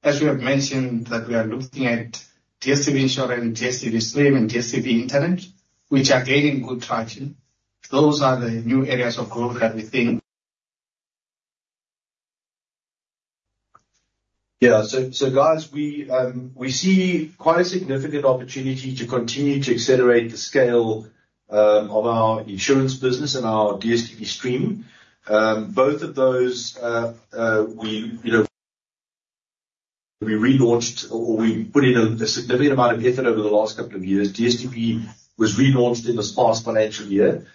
as we have mentioned that we are looking at DStv Insurance, DStv Stream and DStv Internet which are gaining good traction. Those are the new areas of growth that we think. Yeah. Guys, we see quite a significant opportunity to continue to accelerate the scale of our insurance business and our DStv Stream. Both of those. We, you know, we relaunched or we put in a significant amount of effort over the last couple of years. DStv was relaunched in this past financial year.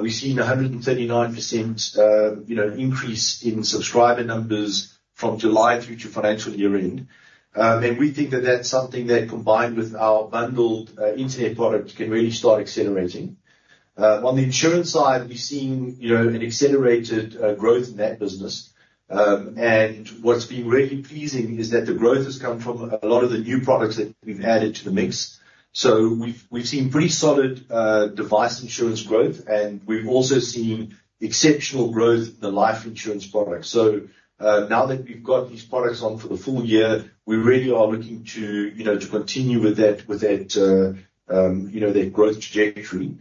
We've seen 139%, you know, increase in subscriber numbers from July through to financial year end. We think that that's something that combined with our bundled Internet product can really start accelerating. On the insurance side we're seeing, you know, an accelerated growth in that business. What's been really pleasing is that the growth has come from a lot of the new products that we've added to the mix. So we've, we've seen pretty solid device insurance growth and we've also seen exceptional growth the life insurance products. So now that we've got these products on for the full year, we really are looking to, you know, to continue with that, with that, you know, their growth trajectory.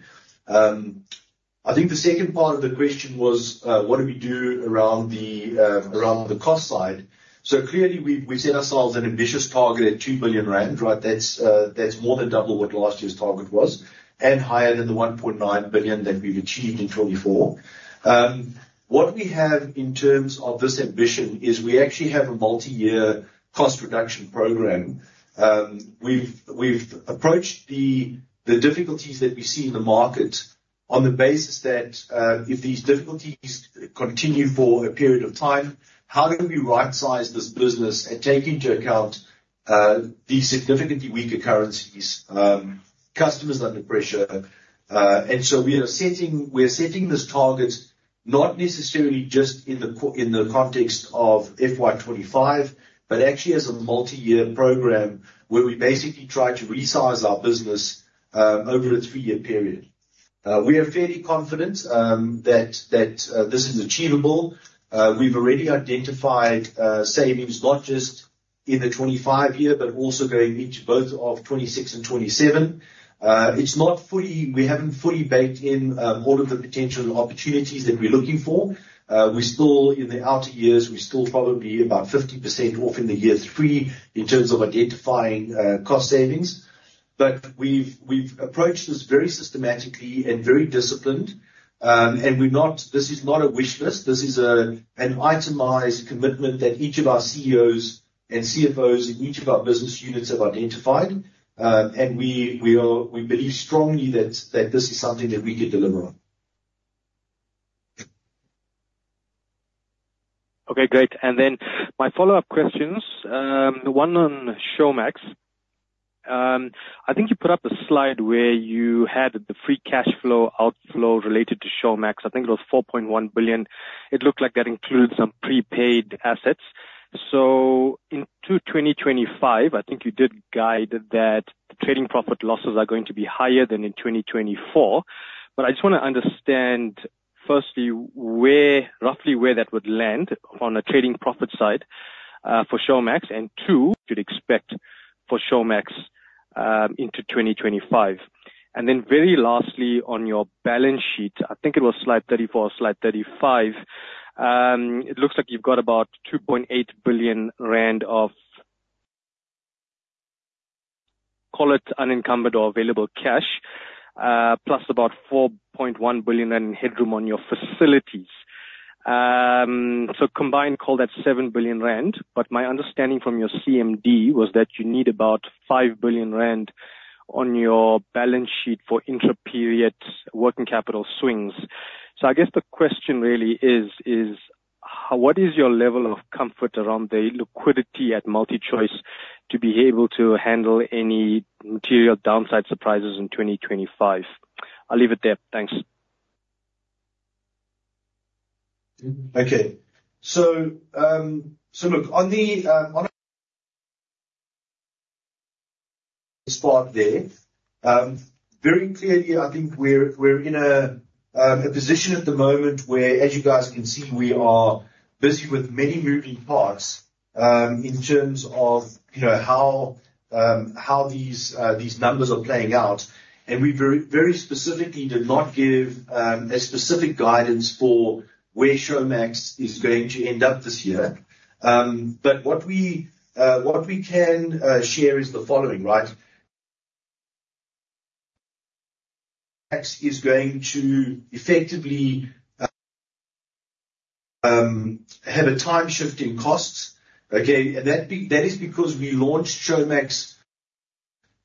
I think the second part of the question was what do we do around the, around the cost side? So clearly we set ourselves an ambitious target at 2 billion rand. Right? That's, that's more than double what last year's target was and higher than the 1.9 billion that we've achieved in 2024. What we have in terms of this ambition is we actually have a multi-year cost reduction program. We've, we've approached the, the difficulties that we see in the market on the basis that if these difficulties continue for a period of time, how do we right-size this business and take into account these significantly weaker currencies. Customers under pressure. And so we are setting this target not necessarily just in the context of FY25, but actually as a multi-year program where we basically try to resize our business over a three-year period. We are fairly confident that this is achievable. We've already identified savings not just in FY25 but also going into both FY26 and FY27. It's not fully; we haven't fully baked in all of the potential opportunities that we're looking for. We still, in the outer years we're still probably about 50% off in year three in terms of identifying cost savings. But we've approached this very systematically and very disciplined. And this is not a wish list. This is an itemized commitment that each of our CEOs and CFOs in each of our business units have identified. We believe strongly that this is something that we can deliver on. Okay, great. And then my follow-up questions. One, on Showmax, I think you put up a slide where you had the free cash flow outflow related to Showmax. I think it was 4.1 billion. It looked like that includes some prepaid assets. So in 2025 I think you did guide that trading profit losses are going to be higher than in 2024. But I just want to understand firstly roughly where that would land on a trading profit side for Showmax and two, you'd expect for Showmax into 2025. And then very lastly on your balance sheet I think it was slide 34 or slide 35. It looks like you've got about 2.8 billion rand of call it unencumbered or available cash plus about 4 billion headroom on your facilities. So combined call that 7 billion rand. But my understanding from your CMD was that you need about 5 billion rand on your balance sheet for inter period working capital swings. So I guess the question really is what is your level of comfort around the liquidity at MultiChoice to be able to handle any material downside surprises in 2025? I'll leave it there, thanks. Okay, so look on the spot there very clearly. I think we're in a position at the moment where, as you guys can see, we are busy with many moving parts in terms of, you know, how these numbers are playing out. And we very specifically did not give specific guidance for where Showmax is going to end up this year. But what we can share is the following, right? Tech is going to effectively have a time shift in costs. Okay, that is because we launched Showmax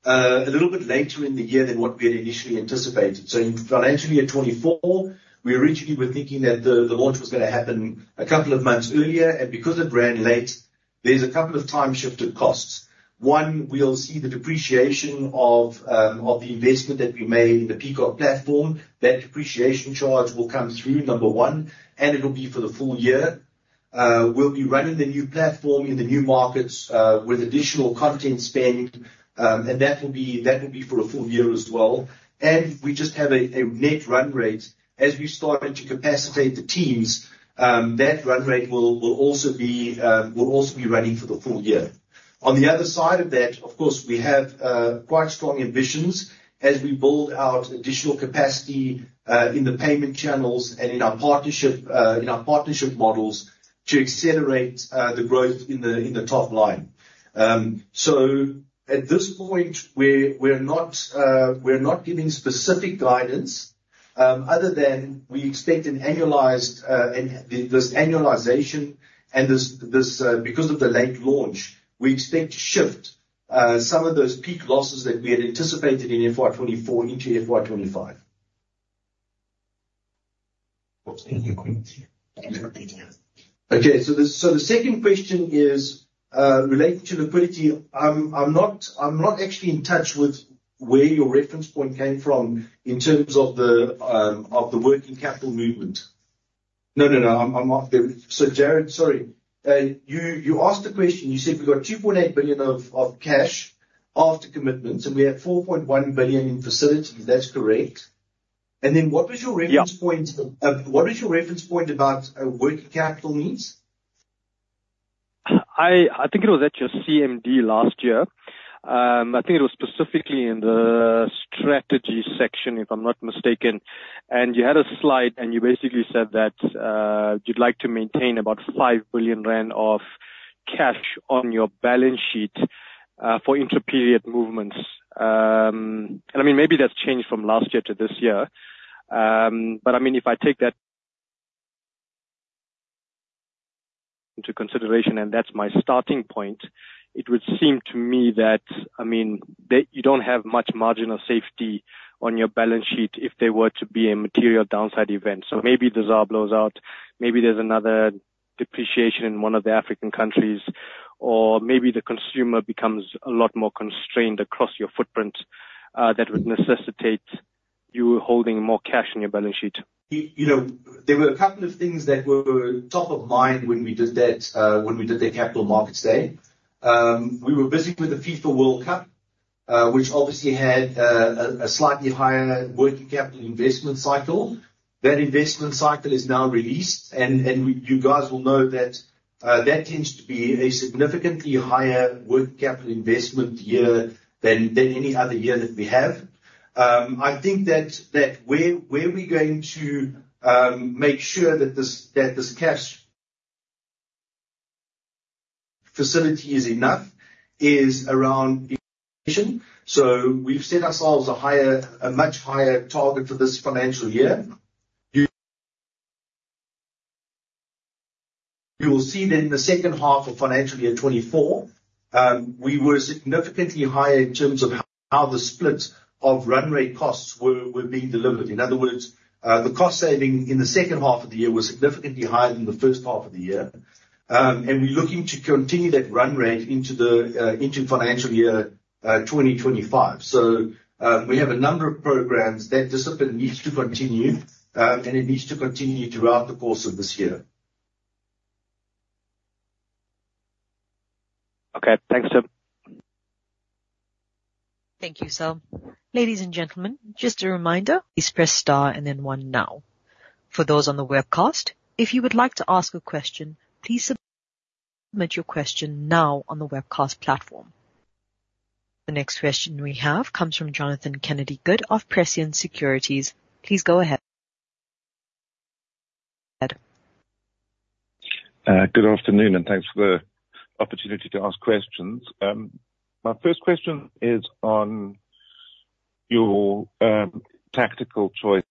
a little bit later in the year than what we had initially anticipated. So in financial year 2024 we originally were thinking that the launch was going to happen a couple of months earlier and because it ran late, there's a couple of time-shifted costs. One, we'll see the depreciation of the investment that we made in the Peacock platform. That depreciation charge will come through number one and it will be for the full year. We'll be running the new platform in the new markets with additional content spend and that will be for a full year as well. And we just have a net run rate. As we started to capacitate the teams, that run rate will also be running for the full year. On the other side of that, of course, we have quite strong ambitions as we build out additional capacity in the payment channels and in our partnership models to accelerate the growth in the top line. So at this point we're not giving specific guidance other than we expect an annualized this annualization and because of the late launch we expect to shift some of those peak losses that we had anticipated in FY 2024 into FY 2025. Okay, so the second question is related to liquidity. I'm not actually in touch with where your reference point came from in terms of the working capital movement? No, no, no, I'm off there. So, Jared, sorry, you, you asked the question. You said we've got 2.8 billion of cash after commitments and we have 4.1 billion in facilities. That's correct. And then what was your reference point? What was your reference point about working capital needs? I think it was at your CMD last year. I think it was specifically in the strategy section, if I'm not mistaken. And you had a slide and you basically said that you'd like to maintain about 5 billion rand of cash on your balance sheet for interperiod movements. And I mean maybe that's changed from last year to this year. But I mean, if I take that into consideration, and that's my starting point, it would seem to me that, I mean that you don't have much margin of safety on your balance sheet if there were to be a material downside event. So maybe the ZAR blows out, maybe there's another depreciation in one of the African countries or maybe the consumer becomes a lot more constrained across your footprint that would necessitate you holding more cash. In your balance sheet. You know, there were a couple of things that were top of mind when we did that, when we did the capital markets day, we were busy with the FIFA World Cup, which obviously had a slightly higher working capital investment cycle. That investment cycle is now released. And you guys will know that that tends to be a significantly higher working capital investment year than any other year that we have. I think that where we're going to make sure that this cash facility is enough is around. So we've set ourselves a much higher target for this financial year. You will see that in the second half of financial year 2024, we were significantly higher in terms of how the split of run rate costs were being delivered. In other words, the cost saving in the second half of the year was significantly higher than the first half of the year. We're looking to continue that run rate into financial year 2025. We have a number of programs that discipline needs to continue and it needs to continue throughout the course of this year. Okay, thanks Tim. Thank you, sir. Ladies and gentlemen, just a reminder, please press star and then one. Now for those on the webcast, if you would like to ask a question, please submit your question now on the webcast platform. The next question we have comes from Jonathan Kennedy-Good of Prescient Securities. Please go ahead. Good afternoon and thanks for the opportunity to ask questions. My first question is on your tactical choice: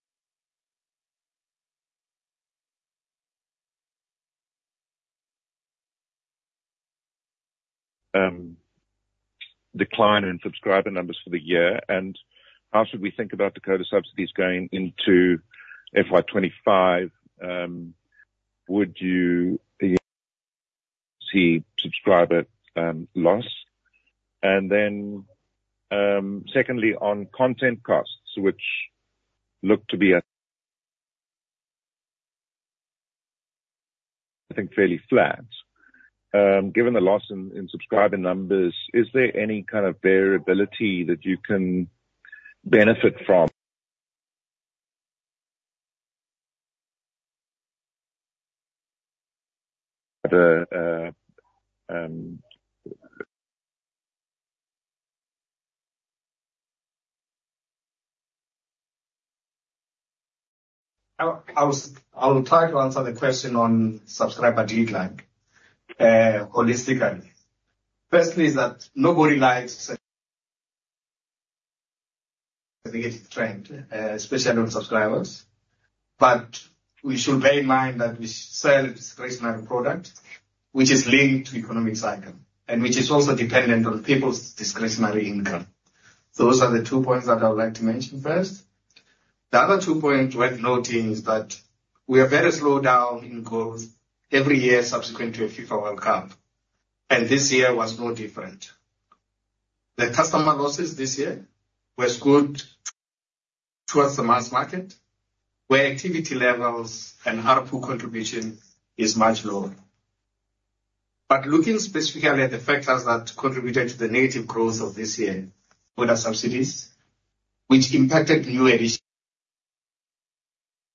decline in subscriber numbers for the year and how should we think about decoder subsidies going into FY25? Would you see subscriber loss? And then secondly on content costs, which look to be a—I think—fairly flat given the loss in subscriber numbers, is there any kind of variability that you can benefit from? I will try to answer the question on subscriber decline holistically. Firstly, that nobody likes negative trend especially on subscribers, but we should bear in mind that we sell discretionary product which is linked to economic cycle and which is also dependent on people's discretionary income. Those are the two points that I would like to mention. First, the other two points worth noting is that we are very slow down in growth every year subsequent to a FIFA World Cup and this year was no different. The customer losses this year was good towards the mass market where activity levels and ARPU contribution is much lower. But looking specifically at the factors that contributed to the negative growth of this year: other subsidies which impacted new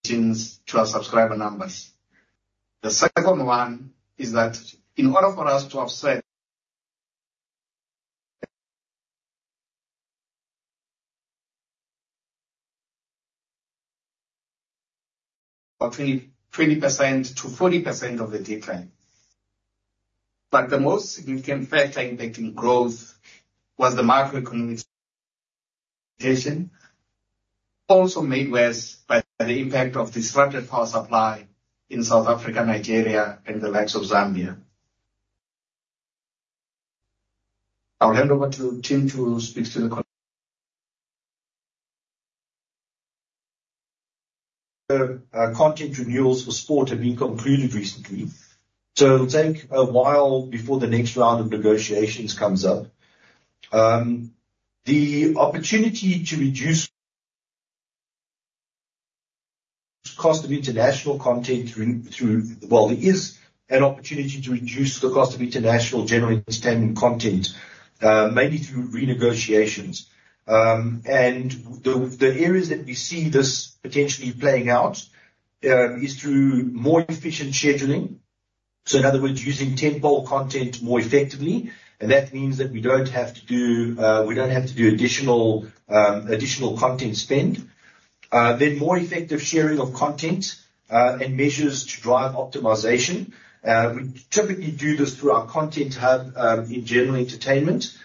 additions to our subscriber numbers. The second one is that in order for us to have said. Or 20%-40% of the decline, but the most significant factor impacting growth was the macroeconomic, also made worse by the impact of disrupted power supply in South Africa, Nigeria, and the likes of Zambia. I'll hand over to Tim who speak to the. The content renewals for sport have been concluded recently, so it'll take a while before the next round of negotiations comes up. The opportunity to reduce cost of international content through well, there is an opportunity to reduce the cost of international general standard content, mainly through renegotiations. And the areas that we see this potentially playing out is through more efficient scheduling. So in other words using pool content more effectively. And that means that we don't have to do additional content spend, then more effective sharing of content and measures to drive optimization. We typically do this through our content hub in general entertainment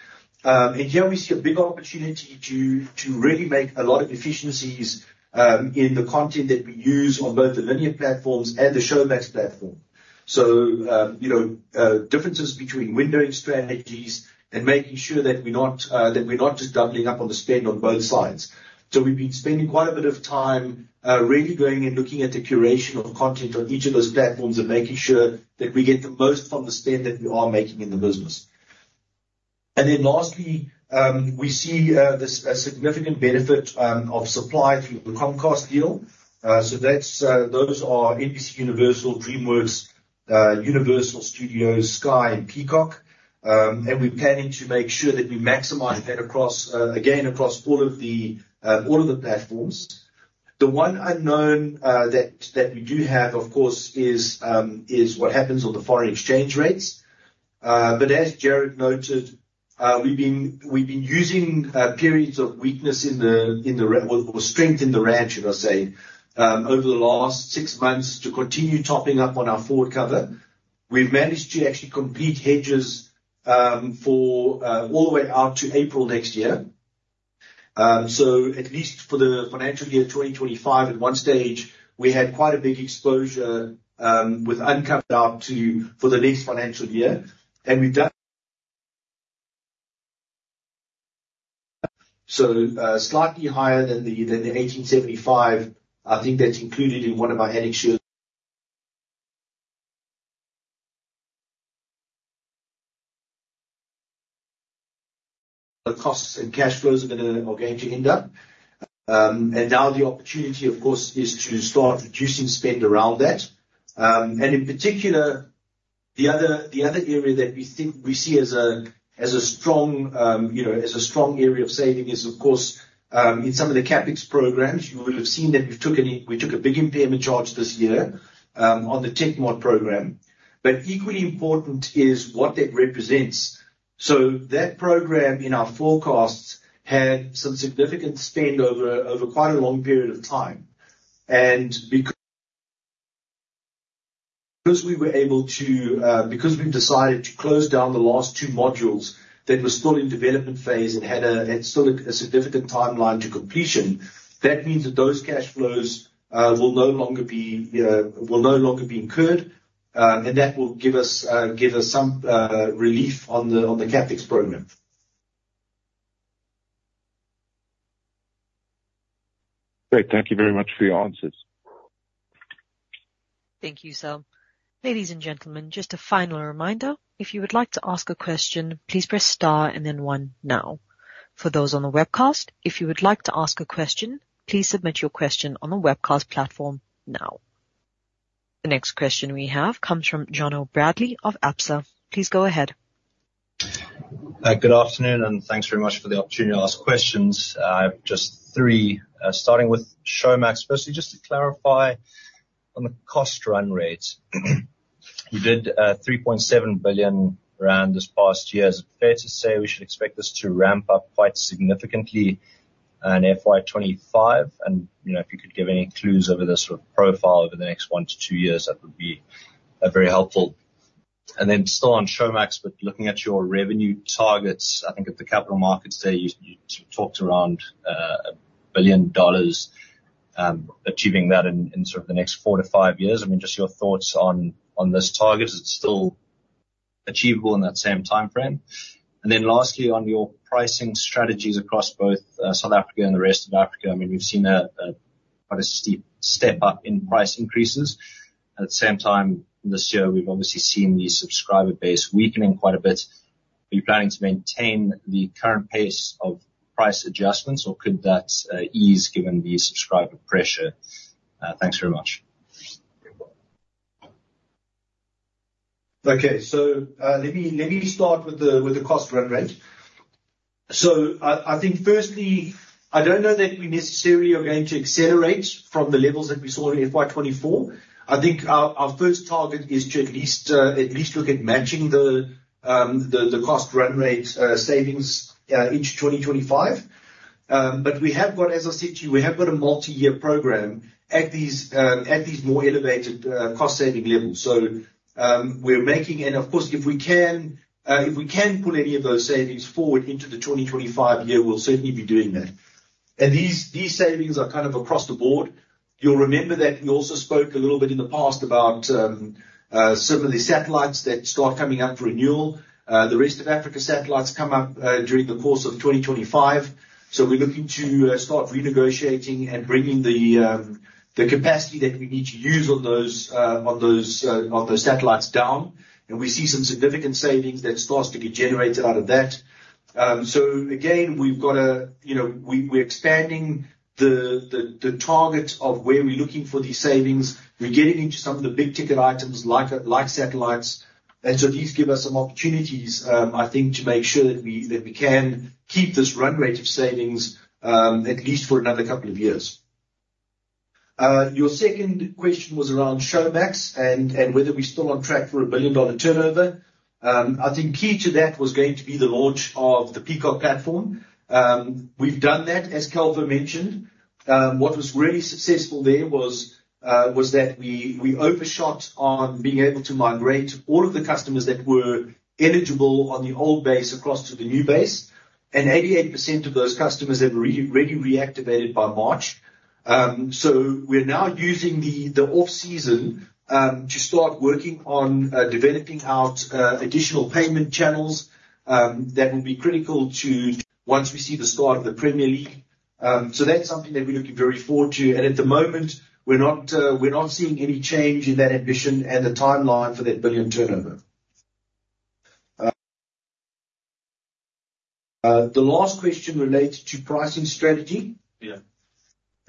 and here we see a big opportunity to really make a lot of efficiencies in the content that we use on both the linear platforms and the Showmax platform. So you know differences between windowing strategies and making sure that we're not just doubling up on the spend on both sides. So we've been spending quite a bit of time really going and looking at the curation of content on each of those platforms and making sure that we get the most from the spend that we are making in the business. And then lastly we see this a significant benefit of supply through the Comcast deal. So that's, those are NBCUniversal, DreamWorks, Universal Studios, Sky and Peacock. And we're planning to make sure that we maximize that across again across all of the, all of the platforms. The one unknown that, that we do have of course is, is what happens on the foreign exchange rates. But as Jared noted, we've been, we've been using periods of weakness in the, in the or strength in the rand. I say over the last six months to continue topping up on our forward cover, we've managed to actually complete hedges for all the way out to April next year. So at least for the financial year 2025 at one stage we had quite a big exposure with uncovered out to for the next financial year and we've done. So slightly higher than the, than the 18.75. I think that's included in one of our annex. The costs and cash flows are going to, are going to end up and now the opportunity of course is to start reducing spend around that. And in particular the other area that we think we see as a strong, you know, area of saving is of course in some of the CapEx programs. You will have seen that we've taken, we took a big impairment charge this year on the TechMod program. But equally important is what that represents. So that program in our forecasts had some significant spend over quite a long period of time and because. Because. We were able to because we've decided to close down the last two modules that were still in development phase and it's still a significant timeline to completion. That means that those cash flows will no longer be incurred and that will give us some relief on the CapEx program. Great. Thank you very much for your answers. Thank you sir. Ladies and gentlemen, just a final reminder, if you would like to ask a question, please press star and then one. Now for those on the webcast, if you would like to ask a question, please submit your question on the webcast platform. Now the next question we have comes from Jono Bradley of Absa. Please go ahead. Good afternoon and thanks very much for the opportunity to ask questions. I have just three starting with Showmax. Firstly, just to clarify on the cost. Run rate, you did 3.7 billion rand this past year. Is it fair to say we should expect this to ramp up quite significantly in FY25 and you know, if you could give any clues over this profile over the next one to two years that would be very helpful. Then still on Showmax, but looking at your revenue targets, I think at the capital markets day you talked around $1 billion achieving that in sort of the next four to five years. I mean just your thoughts on, on this target, it's still achievable in that same time frame. And then lastly on your pricing strategies across both South Africa and the rest of Africa, I mean we've seen quite a steep step up in price increases at the same time this year. We've obviously seen the subscriber base weakening quite a bit. Are you planning to maintain the current pace of price adjustments or could that ease given the subscriber base pressure? Thanks very much. Okay, so let me start with the cost run rate. So I think firstly I don't know that we necessarily are going to accelerate from the levels that we saw in FY2024. I think our first target is to at least look at matching the cost run rate savings into 2025. But we have got, as I said to you, we have got a multi-year program at these more elevated cost saving levels. So we're making, and of course if we can pull any of those savings forward into the 2025 year, we'll certainly be doing that. And these savings are kind of across the board. You'll remember that we also spoke a little bit in the past about some of the satellites that start coming up for renewal. The rest of Africa satellites come up during the course of 2025. So we're looking to start renegotiating and bringing the capacity that we need to use on those, on those satellites down. And we see some significant savings that starts to be generated out of that. So again we've got a, you know, we're expanding the target of where we're looking for these savings. We're getting into some of the big ticket items like satellites. And so these give us some opportunities I think to make sure that we, that we can keep this run rate of savings at least for another couple of years. Your second question was around Showmax and whether we're still on track for $1 billion turnover. I think key to that was going to be the launch of the Peacock platform. We've done that. As Calvo mentioned, what was really successful there was that we overshot on being able to migrate all of the customers that were eligible on the old base across to the new base. 88% of those customers have already reactivated by March. We're now using the off season to start working on developing out additional payment channels that will be critical to once we see the start of the Premier League. That's something that we're looking very forward to and at the moment we're not seeing any change in that ambition and the timeline for that ZAR 1 billion turnover. The last question relates to pricing strategy. Yeah,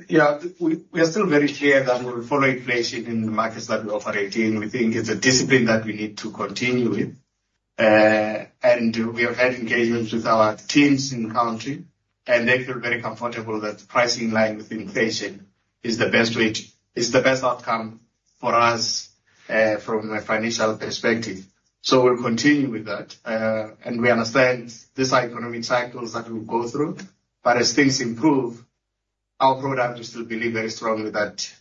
yeah. We are still very clear that we'll follow inflation in the markets that we operate in. We think it's a discipline that we need to continue with and we have had engagements with our teams in the country and they feel very comfortable that pricing in line with inflation is the best way, is the best outcome for us from a financial perspective. We'll continue with that. We understand these are economic cycles that we'll go through, but as things improve, our product, we still believe very strongly that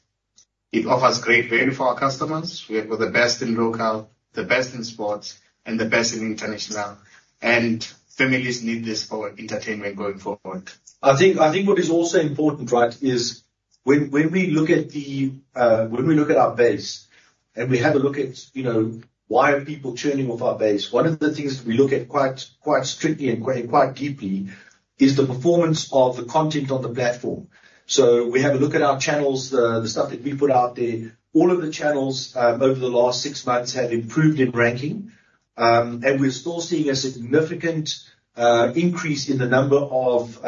it offers great value for our customers. We have got the best in local, the best in sports, and the best in international and families need this for entertainment going forward. I think what is also important, right, is when we look at our base and we have a look at, you know, why are people churning off our base? One of the things we look at quite, quite strictly and quite deeply is the performance of the content on the platform. So we have a look at our channels, the stuff that we put out there. All of the channels over the last six months have improved in ranking and we're still seeing a significant increase in the number of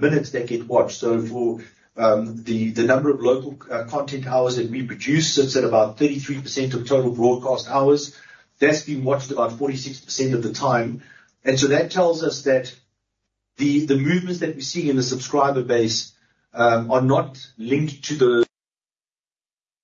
minutes that get watched. So for the number of local content hours that we produce sits at about 33% of total broadcast hours, that's been watched about 46% of the time. And so that tells us that the movements that we see in the subscriber base are not linked to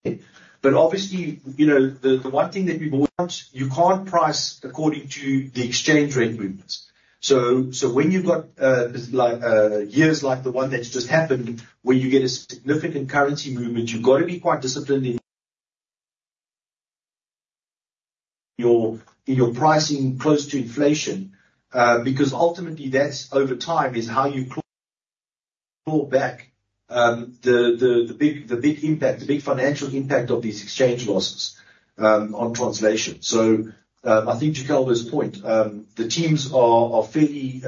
the. But obviously, you know, the one thing that people want, you can't price according to the exchange rate movements. So, so when you've got like years like the one that's just happened where you get a significant currency movement, you've got to be quite disciplined in. Your. In your pricing close to inflation, because ultimately that's over time is how you fall back. The big, the big impact, the big financial impact of these exchange losses on translation. So I think to Calvo's point, the teams are fairly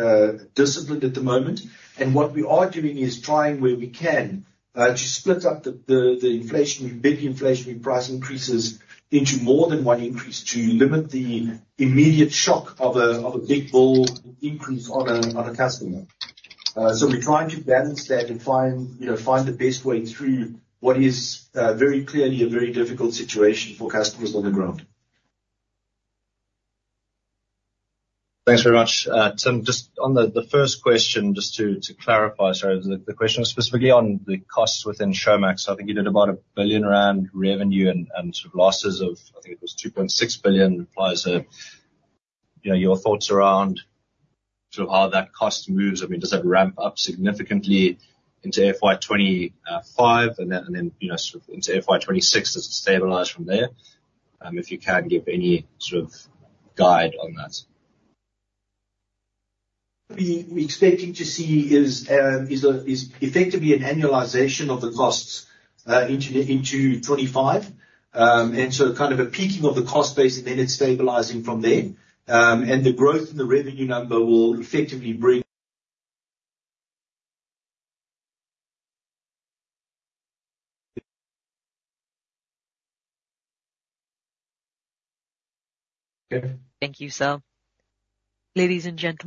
disciplined at the moment. And what we are doing is trying where we can, to split up the inflationary, big inflationary price increases into more than one increase to limit the immediate shock of a, of a big bill increase on a, on a customer. So we're trying to balance that and find, you know, find the best way through what is very clearly a very difficult situation for customers on the ground. Thanks very much, Tim. Just on the. The first question, just to clarify. Sorry, the question was specifically on the costs within Showmax. I think you did about 1 billion. Rand revenue and sort of losses of ZAR 2.6 billion. I think it was 2.6 billion. Your thoughts around how that cost moves? I mean, does that ramp up significantly into FY25 and then into FY26? Does it stabilize from there? If you can give any sort of guide on that. we're expecting to see is effectively an annualization of the costs into 2025 and so kind of a peaking of the cost base and then it's stabilizing from there and the growth in the revenue number will effectively bring. Thank you, sir, ladies and gentlemen.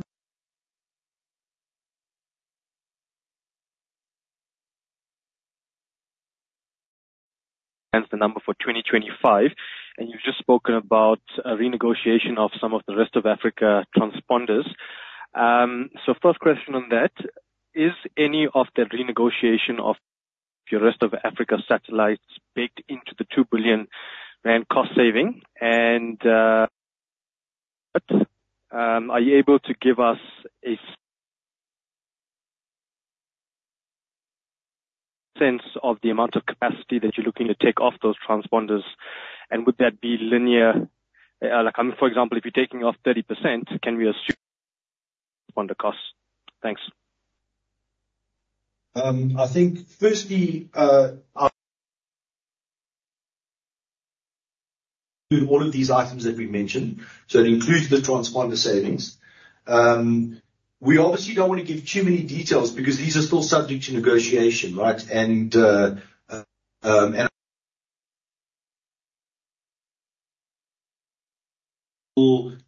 Hence the number for 2025. And you've just spoken about renegotiation of some of the rest of Africa transponders. So first question on that is any of the renegotiation of the rest of Africa satellites baked into the 2 billion rand cost saving and are you able to give us a sense of the amount of capacity that you're looking to take off those transponders and would that be linear? Like, I mean, for example, if you're taking off 30%, can we assume costs? Thanks. I think firstly, all of these items that we mentioned. So it includes the transponder savings. We obviously don't want to give too many details because these are still subject to negotiation, right? And we're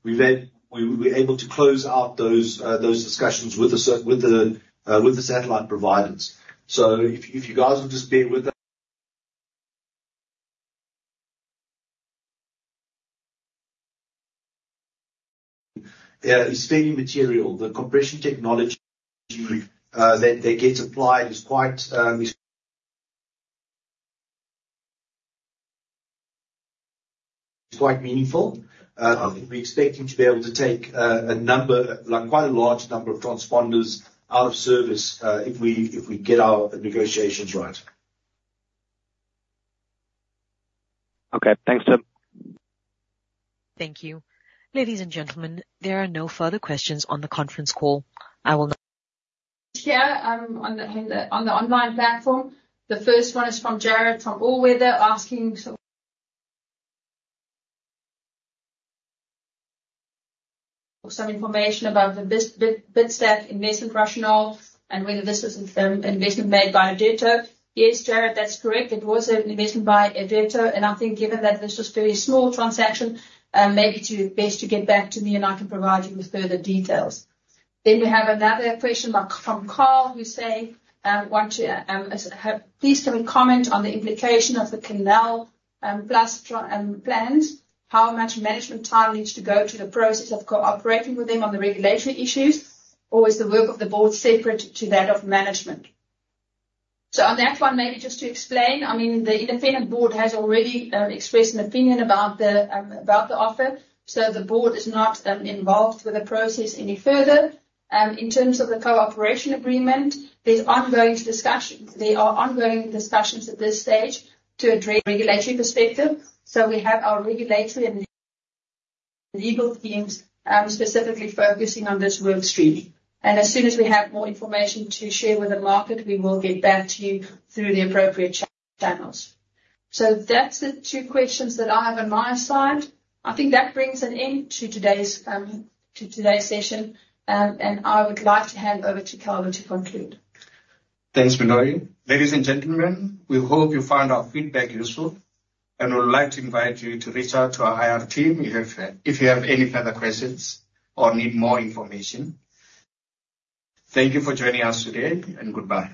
able to close out those discussions with the satellite providers. So if you guys will just bear with us, it is fairly material. The compression technology that gets applied is quite meaningful. We expect it to be able to take a number, quite a large number of transponders out of service if we, if we get our negotiations right. Okay, thanks Tim. Thank you. Ladies and gentlemen, there are no further questions on the conference call. On the online platform. The first one is from Jarred from All Weather asking some information about the Bidstack investment rationale and whether this was an investment made by Irdeto. Yes, Jarred, that's correct. It was an investment by Irdeto. And I think given that this was very small transaction, maybe it's best to get back to me and I can provide you with further details. Then we have another question from Carl who says want to please can comment on the implication of the Canal+ plans. How much management time needs to go to the process of cooperating with them on the regulatory issues or is the work of the board separate to that of management? So on that one maybe just to explain. I mean, the independent board has already expressed an opinion about the offer. So the board is not involved with the process any further in terms of the cooperation agreement. There are ongoing discussions at this stage to address regulatory perspective. So we have our regulatory and legal teams specifically focusing on this work stream. And as soon as we have more information to share with the market, we will get back to you through the appropriate channels. So that's the two questions that I have on my side. I think that brings an end to today's session, and I would like to hand over to Calvo to conclude. Thanks, Meloy. Ladies and gentlemen. We hope you found our feedback useful and would like to invite you to reach out to our IR team if you have any further questions or need more information. Thank you for joining us today, and goodbye.